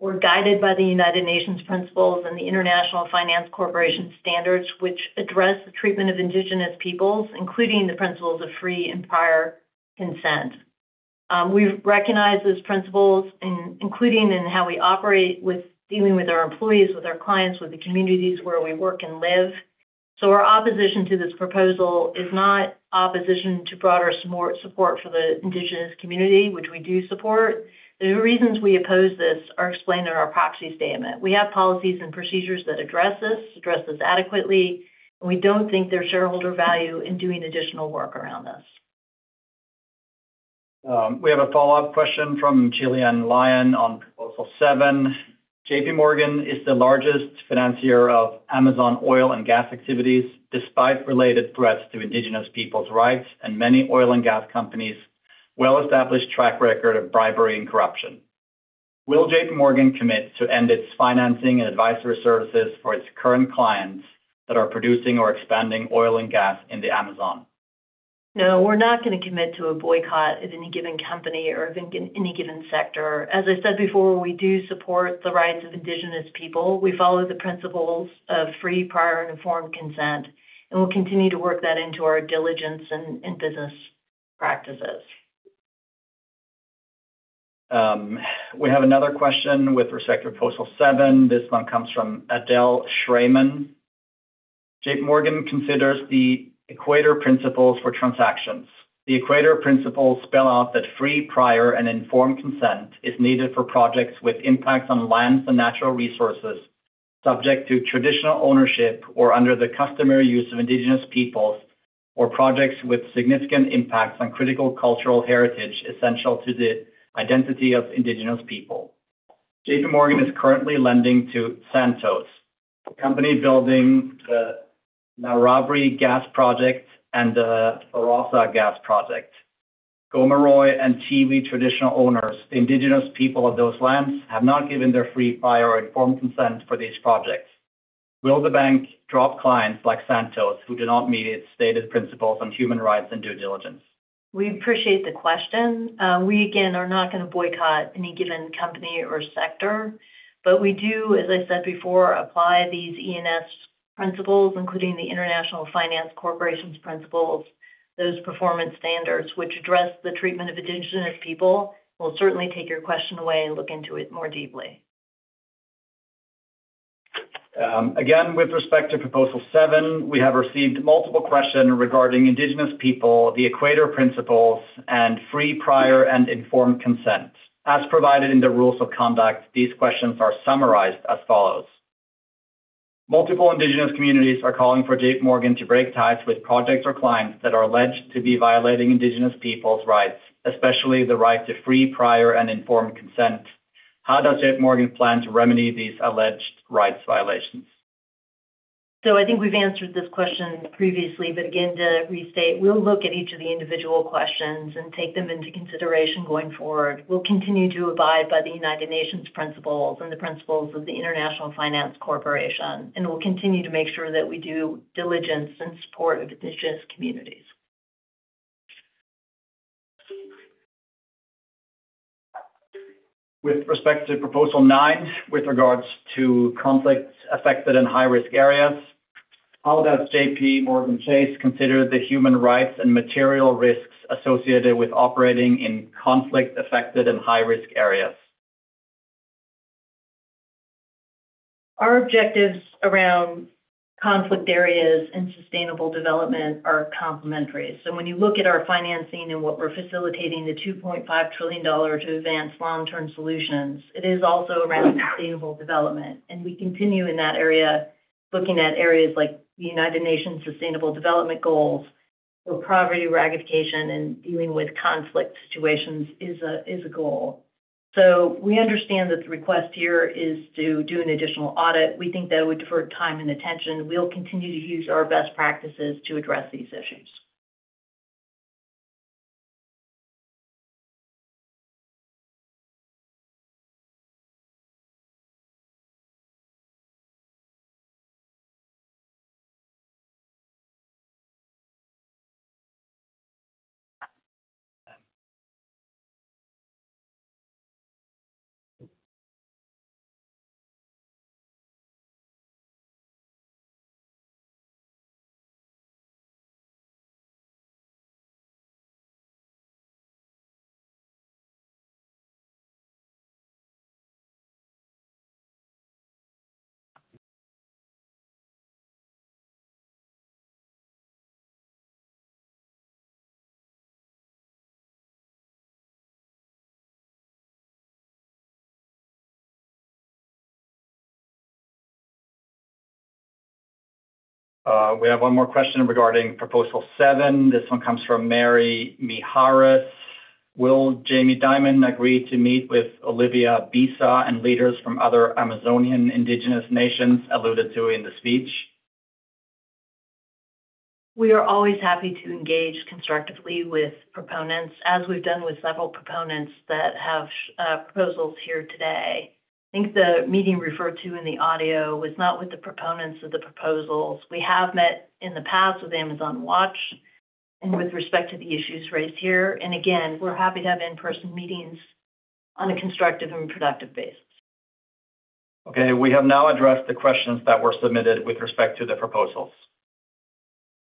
[SPEAKER 3] We're guided by the United Nations principles and the International Finance Corporation standards, which address the treatment of indigenous peoples, including the principles of free and prior consent. We recognize those principles, including in how we operate with dealing with our employees, with our clients, with the communities where we work and live. So our opposition to this proposal is not opposition to broader support, support for the indigenous community, which we do support. The reasons we oppose this are explained in our Proxy Statement. We have policies and procedures that address this, address this adequately, and we don't think there's shareholder value in doing additional work around this.
[SPEAKER 9] We have a follow-up question from Gillian Lyon on Proposal Seven. JPMorgan is the largest financier of Amazon oil and gas activities, despite related threats to Indigenous people's rights and many oil and gas companies' well-established track record of bribery and corruption. Will JPMorgan commit to end its financing and advisory services for its current clients that are producing or expanding oil and gas in the Amazon?
[SPEAKER 3] No, we're not going to commit to a boycott at any given company or in any given sector. As I said before, we do support the rights of Indigenous people. We follow the principles of Free, Prior, and Informed Consent, and we'll continue to work that into our diligence and business practices.
[SPEAKER 9] We have another question with respect to Proposal Seven. This one comes from Adele Shraiman. JPMorgan considers the Equator Principles for transactions. The Equator Principles spell out that free, prior, and informed consent is needed for projects with impacts on lands and natural resources, subject to traditional ownership or under the customary use of indigenous peoples, or projects with significant impacts on critical cultural heritage essential to the identity of indigenous people. JPMorgan is currently lending to Santos, a company building the Narabri Gas Project and the Barossa Gas Project. Gomeroi and Tiwi traditional owners, the indigenous people of those lands, have not given their free, prior, informed consent for these projects. Will the bank drop clients like Santos, who do not meet its stated principles on human rights and due diligence?
[SPEAKER 3] We appreciate the question. We, again, are not going to boycott any given company or sector, but we do, as I said before, apply these E&S principles, including the International Finance Corporation's principles, those performance standards, which address the treatment of indigenous people. We'll certainly take your question away and look into it more deeply.
[SPEAKER 9] Again, with respect to Proposal Seven, we have received multiple questions regarding Indigenous people, the Equator Principles, and free, prior, and informed consent. As provided in the rules of conduct, these questions are summarized as follows: Multiple Indigenous communities are calling for JPMorgan to break ties with projects or clients that are alleged to be violating Indigenous people's rights, especially the right to free, prior, and informed consent. How does JPMorgan plan to remedy these alleged rights violations?
[SPEAKER 3] I think we've answered this question previously, but again, to restate, we'll look at each of the individual questions and take them into consideration going forward. We'll continue to abide by the United Nations principles and the principles of the International Finance Corporation, and we'll continue to make sure that we do diligence in support of indigenous communities. ...
[SPEAKER 9] With respect to Proposal 9, with regards to conflict-affected in high-risk areas, how does JPMorgan Chase consider the human rights and material risks associated with operating in conflict-affected and high-risk areas?
[SPEAKER 3] Our objectives around conflict areas and sustainable development are complementary. So when you look at our financing and what we're facilitating, the $2.5 trillion to advance long-term solutions, it is also around sustainable development. We continue in that area, looking at areas like the United Nations Sustainable Development Goals, where poverty eradication and dealing with conflict situations is a goal. So we understand that the request here is to do an additional audit. We think that it would divert time and attention. We'll continue to use our best practices to address these issues.
[SPEAKER 9] We have one more question regarding Proposal 7. This one comes from Mary Miharis. Will Jamie Dimon agree to meet with Olivia Bisa and leaders from other Amazonian indigenous nations alluded to in the speech?
[SPEAKER 3] We are always happy to engage constructively with proponents, as we've done with several proponents that have proposals here today. I think the meeting referred to in the audio was not with the proponents of the proposals. We have met in the past with Amazon Watch and with respect to the issues raised here, and again, we're happy to have in-person meetings on a constructive and productive basis.
[SPEAKER 9] Okay, we have now addressed the questions that were submitted with respect to the proposals.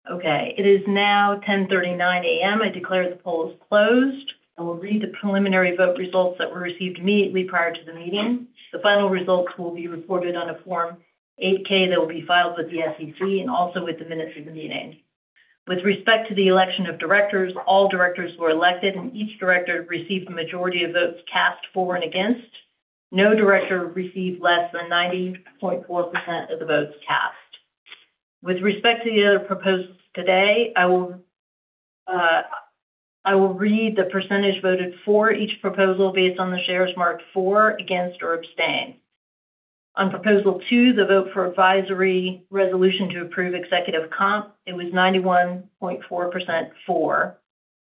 [SPEAKER 3] Okay. It is now 10:39 A.M. I declare the poll is closed. I will read the preliminary vote results that were received immediately prior to the meeting. The final results will be reported on a Form 8-K. That will be filed with the SEC and also with the minutes of the meeting. With respect to the election of directors, all directors were elected, and each director received a majority of votes cast for and against. No director received less than 90.4% of the votes cast. With respect to the other proposals today, I will, I will read the percentage voted for each proposal based on the shares marked for, against, or abstain. On Proposal 2, the vote for advisory resolution to approve executive comp, it was 91.4% for.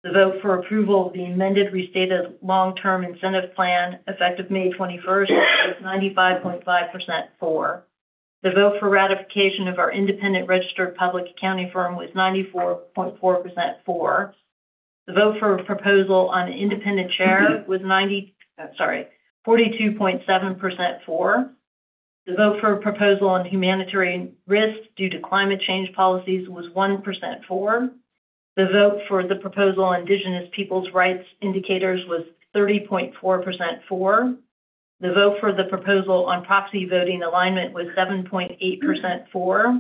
[SPEAKER 3] The vote for approval of the amended, restated long-term incentive plan effective May 21, was 95.5% for. The vote for ratification of our independent registered public accounting firm was 94.4% for. The vote for proposal on independent chair was ninety... Sorry, 42.7% for. The vote for proposal on humanitarian risk due to climate change policies was 1% for. The vote for the proposal on indigenous people's rights indicators was 30.4% for. The vote for the proposal on proxy voting alignment was 7.8% for.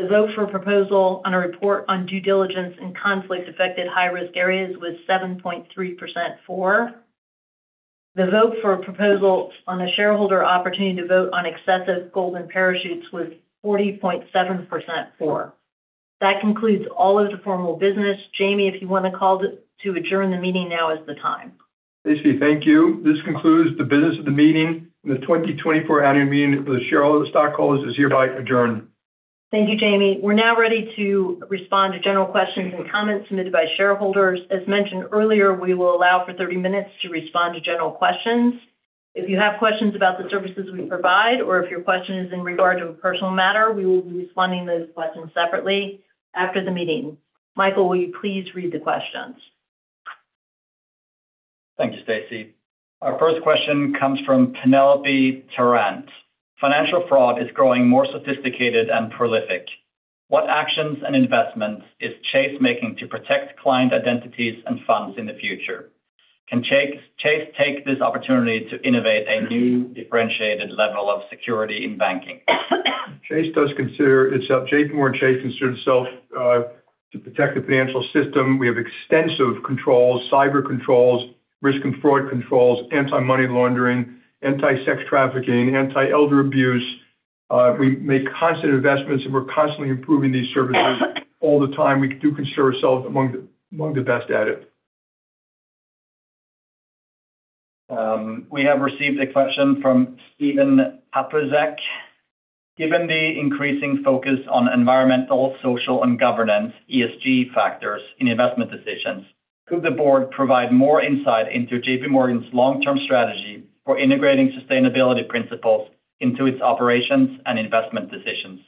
[SPEAKER 3] The vote for proposal on a report on due diligence in conflict-affected high-risk areas was 7.3% for. The vote for a proposal on a shareholder opportunity to vote on excessive golden parachutes was 40.7% for. That concludes all of the formal business. Jamie, if you want to call to adjourn the meeting, now is the time.
[SPEAKER 2] Stacey, thank you. This concludes the business of the meeting. The 2024 annual meeting with shareholders, stockholders, is hereby adjourned.
[SPEAKER 3] Thank you, Jamie. We're now ready to respond to general questions and comments submitted by shareholders. As mentioned earlier, we will allow for 30 minutes to respond to general questions. If you have questions about the services we provide or if your question is in regard to a personal matter, we will be responding to those questions separately after the meeting. Michael, will you please read the questions?
[SPEAKER 9] Thank you, Stacey. Our first question comes from Penelope Tarrant. Financial fraud is growing more sophisticated and prolific. What actions and investments is Chase making to protect client identities and funds in the future? Can Chase, Chase take this opportunity to innovate a new, differentiated level of security in banking?
[SPEAKER 2] Chase does consider itself, JPMorgan Chase considers itself, to protect the financial system. We have extensive controls, cyber controls, risk and fraud controls, anti-money laundering, anti-sex trafficking, anti-elder abuse. We make constant investments, and we're constantly improving these services all the time. We do consider ourselves among the, among the best at it.
[SPEAKER 9] We have received a question from Stephen Papacek. Given the increasing focus on environmental, social, and governance, ESG factors in investment decisions, could the board provide more insight into JPMorgan's long-term strategy for integrating sustainability principles into its operations and investment decisions?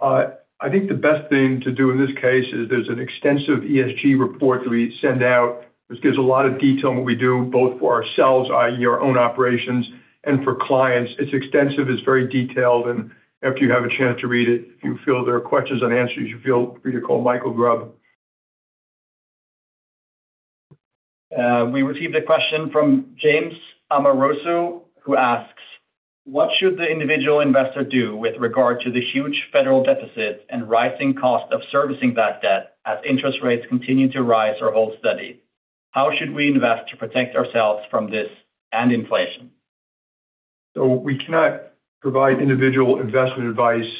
[SPEAKER 2] I think the best thing to do in this case is there's an extensive ESG report that we send out, which gives a lot of detail on what we do, both for ourselves, i.e., our own operations, and for clients. It's extensive, it's very detailed, and if you have a chance to read it, if you feel there are questions and answers, you feel free to call Michael Grubb.
[SPEAKER 9] We received a question from James Amoroso, who asks: What should the individual investor do with regard to the huge federal deficit and rising cost of servicing that debt as interest rates continue to rise or hold steady? How should we invest to protect ourselves from this and inflation?
[SPEAKER 2] So we cannot provide individual investment advice,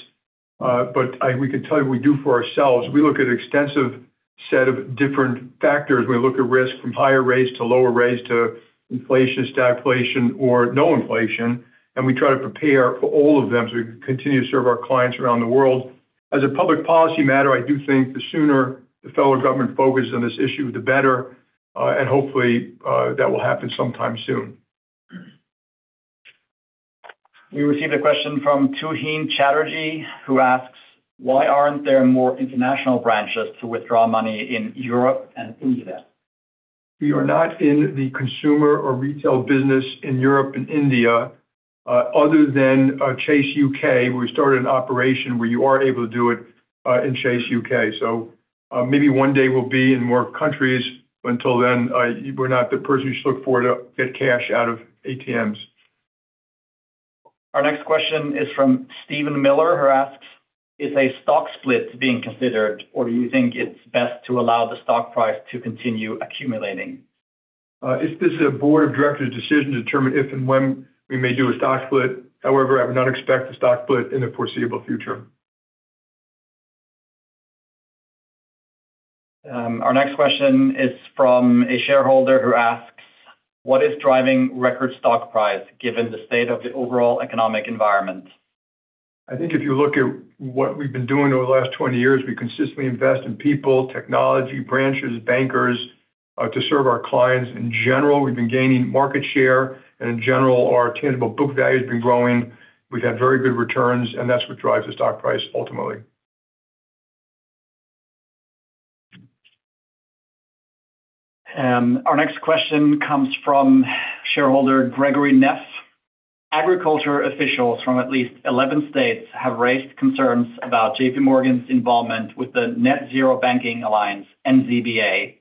[SPEAKER 2] but we can tell you we do for ourselves. We look at an extensive set of different factors. We look at risk from higher rates to lower rates to inflation, stagflation or no inflation, and we try to prepare for all of them so we can continue to serve our clients around the world. As a public policy matter, I do think the sooner the federal government focuses on this issue, the better, and hopefully, that will happen sometime soon.
[SPEAKER 9] We received a question from Tuhin Chatterjee, who asks: Why aren't there more international branches to withdraw money in Europe and India?
[SPEAKER 2] We are not in the consumer or retail business in Europe and India, other than Chase UK, where we started an operation where you are able to do it in Chase UK. So, maybe one day we'll be in more countries. Until then, we're not the person you should look for to get cash out of ATMs.
[SPEAKER 9] Our next question is from Steven Miller, who asks: Is a stock split being considered, or do you think it's best to allow the stock price to continue accumulating?
[SPEAKER 2] This is a board of directors' decision to determine if and when we may do a stock split. However, I would not expect a stock split in the foreseeable future.
[SPEAKER 9] Our next question is from a shareholder who asks: What is driving record stock price, given the state of the overall economic environment?
[SPEAKER 2] I think if you look at what we've been doing over the last 20 years, we consistently invest in people, technology, branches, bankers, to serve our clients. In general, we've been gaining market share, and in general, our tangible book value has been growing. We've had very good returns, and that's what drives the stock price ultimately.
[SPEAKER 9] Our next question comes from shareholder Gregory Neff. Agriculture officials from at least 11 states have raised concerns about JPMorgan's involvement with the Net-Zero Banking Alliance, NZBA,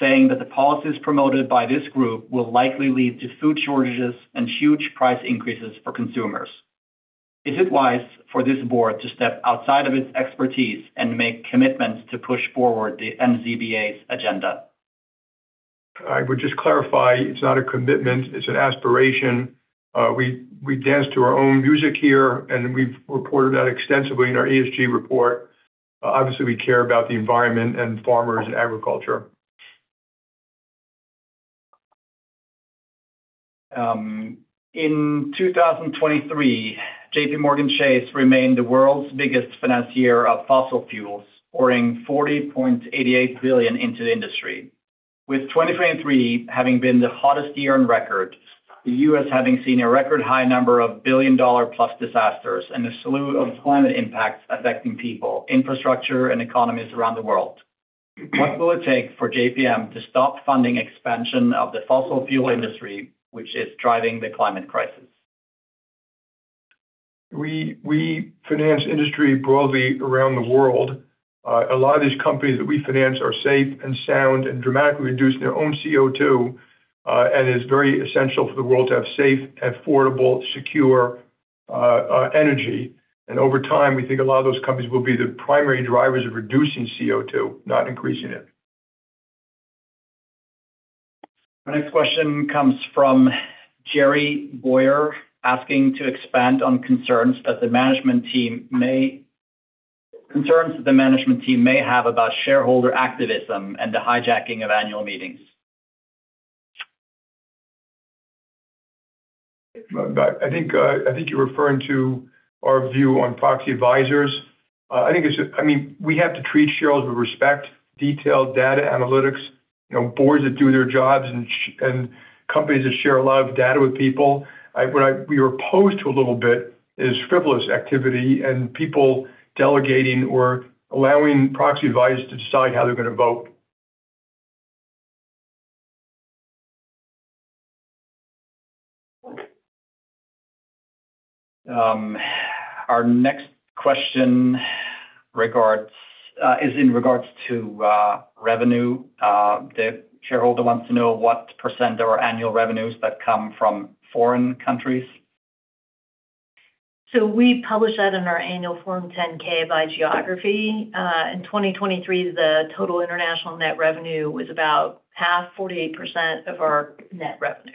[SPEAKER 9] saying that the policies promoted by this group will likely lead to food shortages and huge price increases for consumers. Is it wise for this board to step outside of its expertise and make commitments to push forward the NZBA's agenda?
[SPEAKER 2] I would just clarify, it's not a commitment, it's an aspiration. We, we dance to our own music here, and we've reported that extensively in our ESG report. Obviously, we care about the environment and farmers and agriculture.
[SPEAKER 9] In 2023, JPMorgan Chase remained the world's biggest financier of fossil fuels, pouring $40.88 billion into the industry. With 2023 having been the hottest year on record, the U.S. having seen a record high number of billion-dollar-plus disasters and a slew of climate impacts affecting people, infrastructure, and economies around the world, what will it take for JPM to stop funding expansion of the fossil fuel industry, which is driving the climate crisis?
[SPEAKER 2] We finance industry broadly around the world. A lot of these companies that we finance are safe and sound and dramatically reduce their own CO2, and it's very essential for the world to have safe, affordable, secure energy. And over time, we think a lot of those companies will be the primary drivers of reducing CO2, not increasing it.
[SPEAKER 9] My next question comes from Jerry Boyer, asking to expand on concerns that the management team may have about shareholder activism and the hijacking of annual meetings.
[SPEAKER 2] I think you're referring to our view on proxy advisors. I think it's just-- I mean, we have to treat shareholders with respect, detailed data, analytics, you know, boards that do their jobs and companies that share a lot of data with people. What we are opposed to a little bit is frivolous activity and people delegating or allowing proxy advisors to decide how they're going to vote.
[SPEAKER 9] Our next question is in regards to revenue. The shareholder wants to know what % of our annual revenues that come from foreign countries.
[SPEAKER 3] We publish that in our annual Form 10-K by geography. In 2023, the total international net revenue was about half, 48% of our net revenue.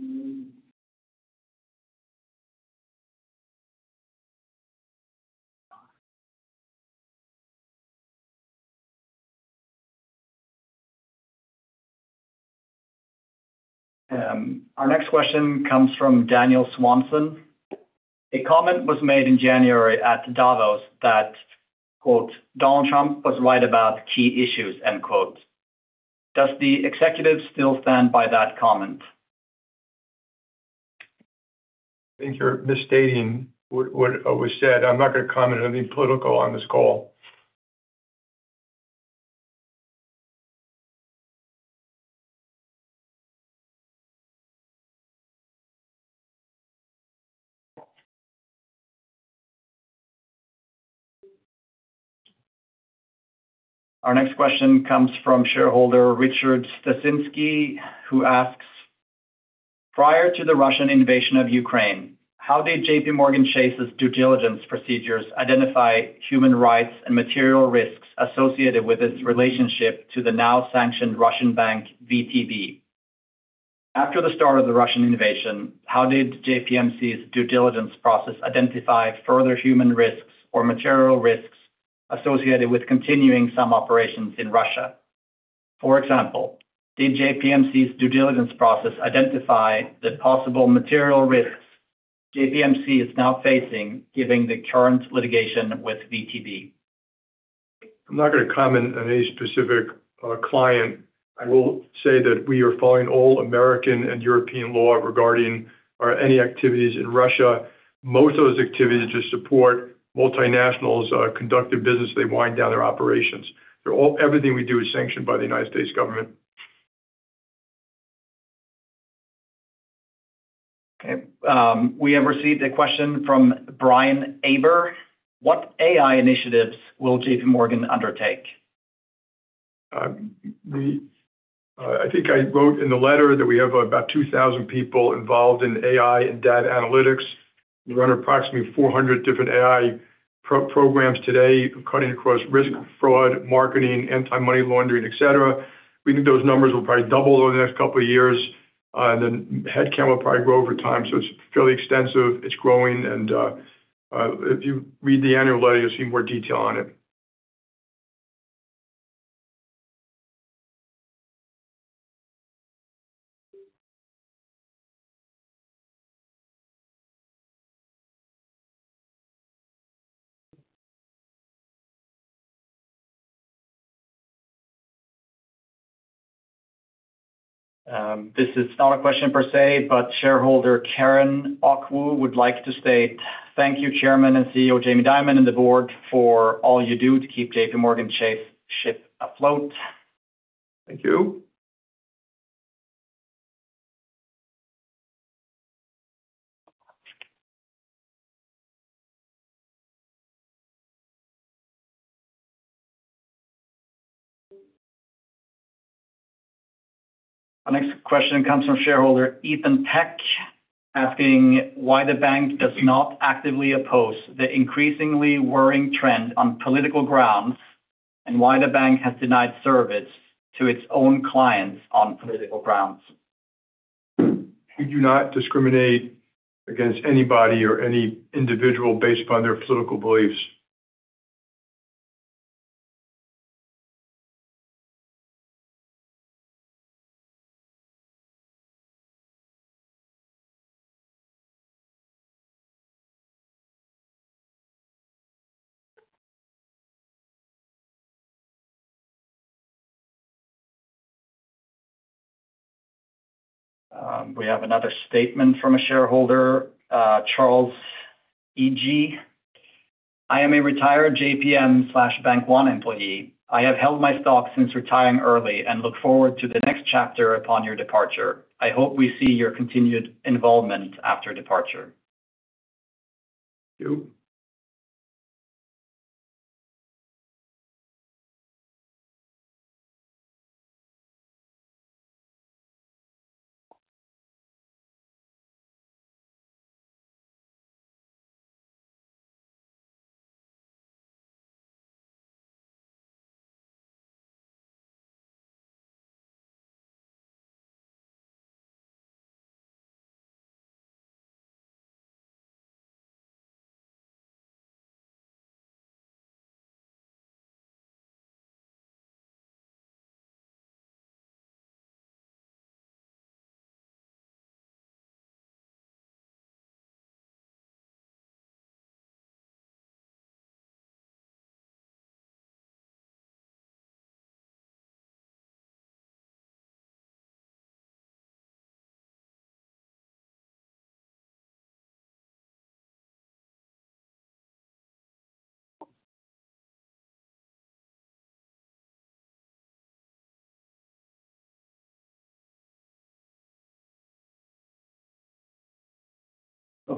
[SPEAKER 2] Twenty-five percent.
[SPEAKER 9] Our next question comes from Daniel Swanson. A comment was made in January at Davos that, quote, "Donald Trump was right about key issues," end quote. Does the executive still stand by that comment?
[SPEAKER 2] I think you're misstating what was said. I'm not gonna comment on anything political on this call.
[SPEAKER 9] Our next question comes from shareholder Richard Stasinski, who asks: Prior to the Russian invasion of Ukraine, how did JPMorgan Chase's due diligence procedures identify human rights and material risks associated with its relationship to the now sanctioned Russian bank, VTB? After the start of the Russian invasion, how did JPMC's due diligence process identify further human risks or material risks associated with continuing some operations in Russia? For example, did JPMC's due diligence process identify the possible material risks JPMC is now facing, given the current litigation with VTB?
[SPEAKER 2] I'm not gonna comment on any specific client. I will say that we are following all American and European law regarding any activities in Russia. Most of those activities just support multinationals conduct their business as they wind down their operations. They're all. Everything we do is sanctioned by the United States government.
[SPEAKER 9] Okay, we have received a question from Brian Aber. What AI initiatives will JPMorgan undertake?
[SPEAKER 2] I think I wrote in the letter that we have about 2,000 people involved in AI and data analytics. We run approximately 400 different AI programs today, cutting across risk, fraud, marketing, anti-money laundering, et cetera. We think those numbers will probably double over the next couple of years. The head count will probably grow over time, so it's fairly extensive. It's growing, and if you read the annual letter, you'll see more detail on it.
[SPEAKER 9] This is not a question per se, but shareholder Karen Aku would like to state: Thank you, Chairman and CEO Jamie Dimon, and the board for all you do to keep JPMorgan Chase ship afloat.
[SPEAKER 2] Thank you.
[SPEAKER 9] Our next question comes from shareholder Ethan Peck, asking why the bank does not actively oppose the increasingly worrying trend on political grounds, and why the bank has denied service to its own clients on political grounds.
[SPEAKER 2] We do not discriminate against anybody or any individual based upon their political beliefs.
[SPEAKER 9] We have another statement from a shareholder, Charles E.G. I am a retired JPM/Bank One employee. I have held my stock since retiring early and look forward to the next chapter upon your departure. I hope we see your continued involvement after departure.
[SPEAKER 2] Thank you.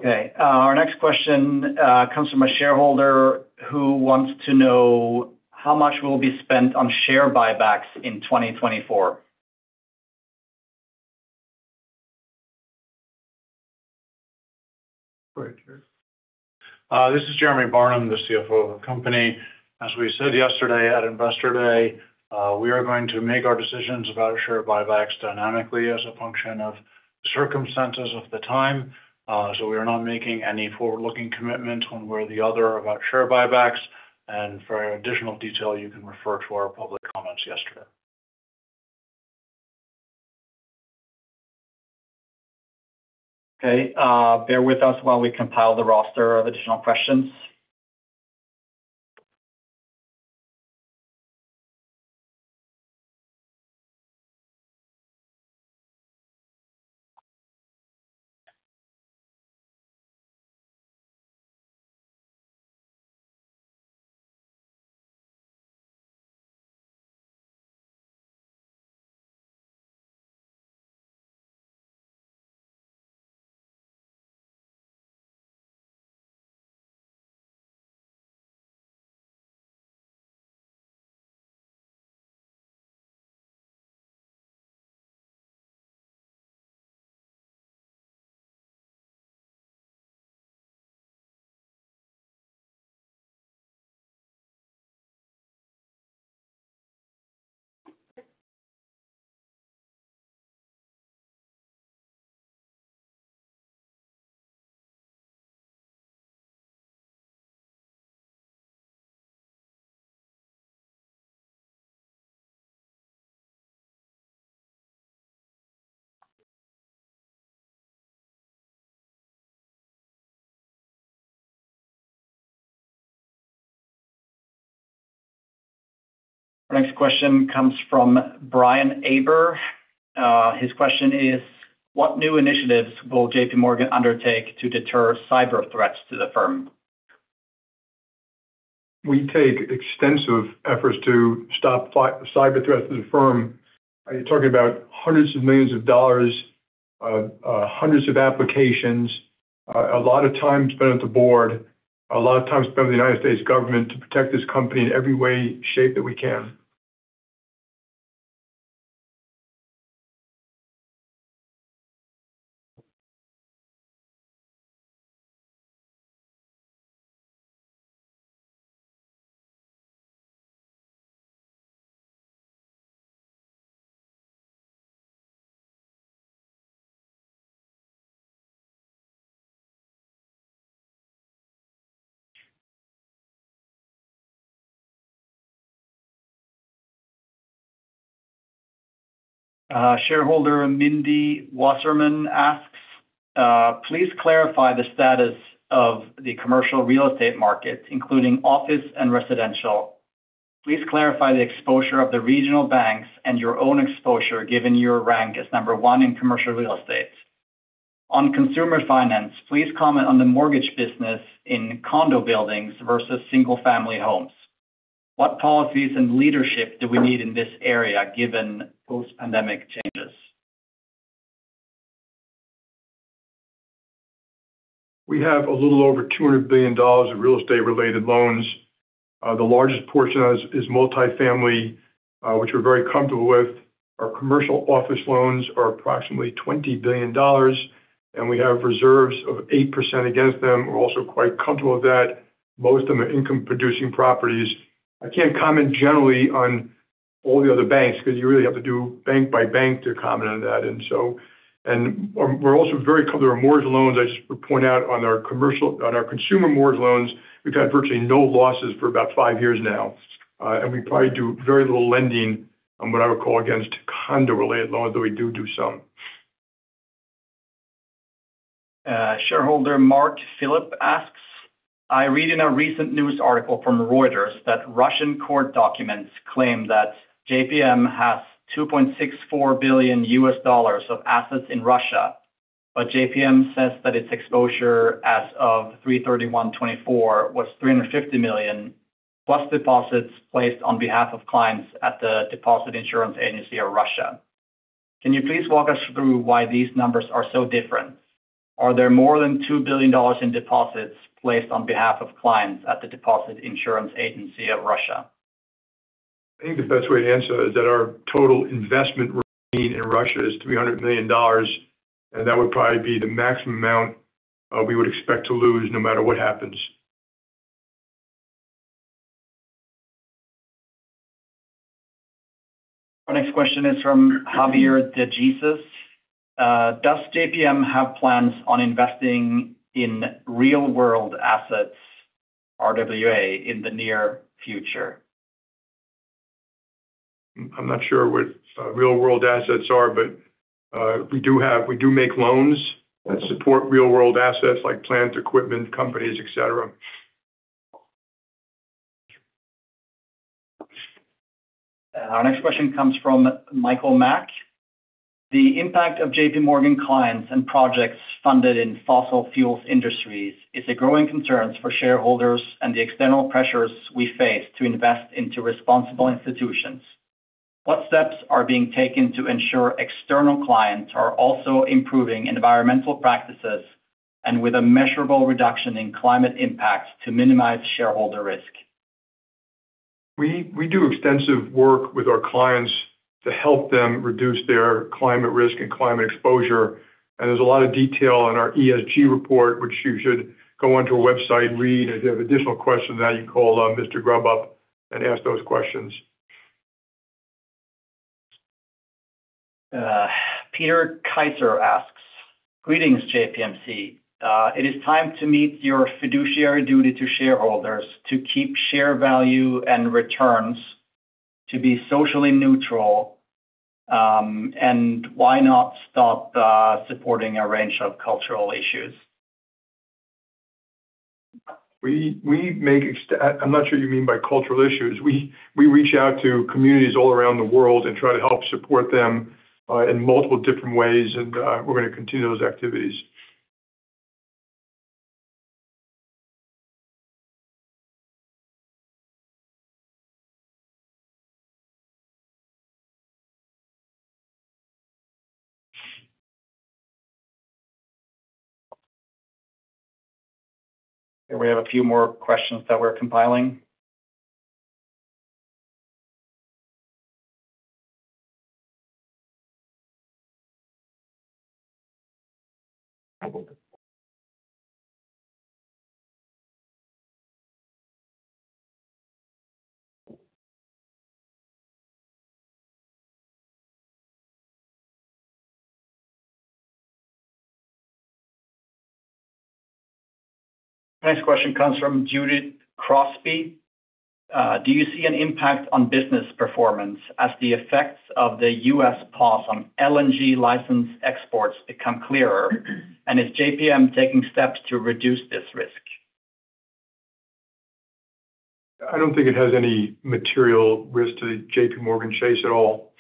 [SPEAKER 9] Okay, our next question comes from a shareholder who wants to know how much will be spent on share buybacks in 2024....
[SPEAKER 2] Great. This is Jeremy Barnum, the CFO of the company. As we said yesterday at Investor Day, we are going to make our decisions about share buybacks dynamically as a function of circumstances of the time. So we are not making any forward-looking commitments one way or the other about share buybacks. And for additional detail, you can refer to our public comments yesterday.
[SPEAKER 9] Okay, bear with us while we compile the roster of additional questions. Our next question comes from Brian Aber. His question is: What new initiatives will JPMorgan undertake to deter cyber threats to the firm?
[SPEAKER 2] We take extensive efforts to stop cyber threats to the firm. You're talking about hundreds of millions of dollars, hundreds of applications, a lot of time spent at the board, a lot of time spent with the United States government to protect this company in every way, shape that we can.
[SPEAKER 9] Shareholder Mindy Wasserman asks: Please clarify the status of the commercial real estate market, including office and residential. Please clarify the exposure of the regional banks and your own exposure, given your rank as number one in commercial real estate. On consumer finance, please comment on the mortgage business in condo buildings versus single-family homes. What policies and leadership do we need in this area, given post-pandemic changes?
[SPEAKER 2] We have a little over $200 billion of real estate-related loans. The largest portion is, is multifamily, which we're very comfortable with. Our commercial office loans are approximately $20 billion, and we have reserves of 8% against them. We're also quite comfortable with that. Most of them are income-producing properties. I can't comment generally on all the other banks because you really have to do bank by bank to comment on that. And so and we're, we're also very comfortable with our mortgage loans. I just point out on our commercial on our consumer mortgage loans, we've had virtually no losses for about 5 years now. And we probably do very little lending on what I would call against condo-related loans, although we do, do some.
[SPEAKER 9] Shareholder Mark Phillips asks: I read in a recent news article from Reuters that Russian court documents claim that JPM has $2.64 billion of assets in Russia, but JPM says that its exposure as of 3/31/2024 was $350 million, plus deposits placed on behalf of clients at the Deposit Insurance Agency of Russia. Can you please walk us through why these numbers are so different? Are there more than $2 billion in deposits placed on behalf of clients at the Deposit Insurance Agency of Russia?
[SPEAKER 2] I think the best way to answer that is that our total investment remaining in Russia is $300 million, and that would probably be the maximum amount we would expect to lose, no matter what happens.
[SPEAKER 9] Our next question is from Javier De Jesus. Does JPM have plans on investing in real-world assets, RWA, in the near future?
[SPEAKER 2] I'm not sure what real-world assets are, but we do make loans that support real-world assets like plant, equipment, companies, et cetera.
[SPEAKER 9] Our next question comes from Michael Mack. The impact of JPMorgan clients and projects funded in fossil fuels industries is a growing concern for shareholders and the external pressures we face to invest into responsible institutions. What steps are being taken to ensure external clients are also improving environmental practices and with a measurable reduction in climate impacts to minimize shareholder risk?...
[SPEAKER 2] We do extensive work with our clients to help them reduce their climate risk and climate exposure. There's a lot of detail in our ESG report, which you should go onto our website and read. If you have additional questions, now you can call Mr. Grubb up and ask those questions.
[SPEAKER 9] Peter Kaiser asks: Greetings, JPMC. It is time to meet your fiduciary duty to shareholders to keep share value and returns to be socially neutral. And why not stop supporting a range of cultural issues?
[SPEAKER 2] I'm not sure what you mean by cultural issues. We reach out to communities all around the world and try to help support them in multiple different ways, and we're gonna continue those activities.
[SPEAKER 9] We have a few more questions that we're compiling. Next question comes from Judith Crosby. Do you see an impact on business performance as the effects of the U.S. pause on LNG license exports become clearer? And is JPM taking steps to reduce this risk?
[SPEAKER 2] I don't think it has any material risk to JPMorgan Chase at all.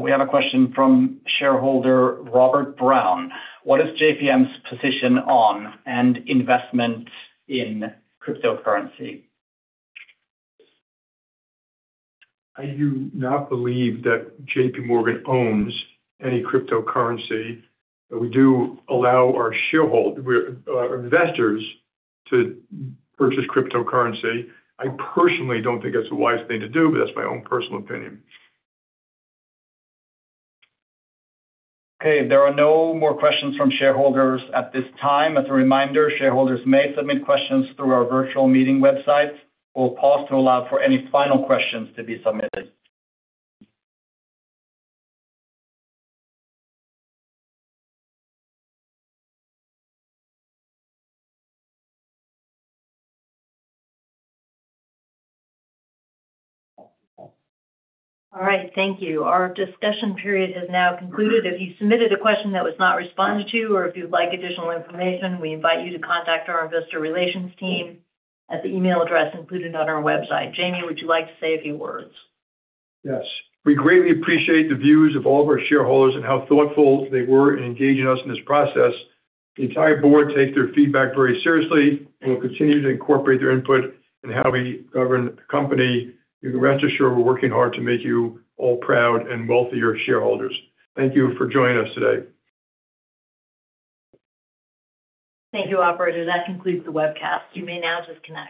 [SPEAKER 9] We have a question from shareholder Robert Brown. What is JPM's position on and investment in cryptocurrency?
[SPEAKER 2] I do not believe that JPMorgan owns any cryptocurrency. But we do allow our investors to purchase cryptocurrency. I personally don't think that's a wise thing to do, but that's my own personal opinion.
[SPEAKER 9] Okay, there are no more questions from shareholders at this time. As a reminder, shareholders may submit questions through our virtual meeting website. We'll pause to allow for any final questions to be submitted.
[SPEAKER 1] All right, thank you. Our discussion period has now concluded. If you submitted a question that was not responded to or if you'd like additional information, we invite you to contact our investor relations team at the email address included on our website. Jamie, would you like to say a few words?
[SPEAKER 2] Yes. We greatly appreciate the views of all of our shareholders and how thoughtful they were in engaging us in this process. The entire board takes their feedback very seriously, and we'll continue to incorporate their input in how we govern the company. You can rest assured we're working hard to make you all proud and wealthier shareholders. Thank you for joining us today.
[SPEAKER 1] Thank you, operator. That concludes the webcast. You may now disconnect.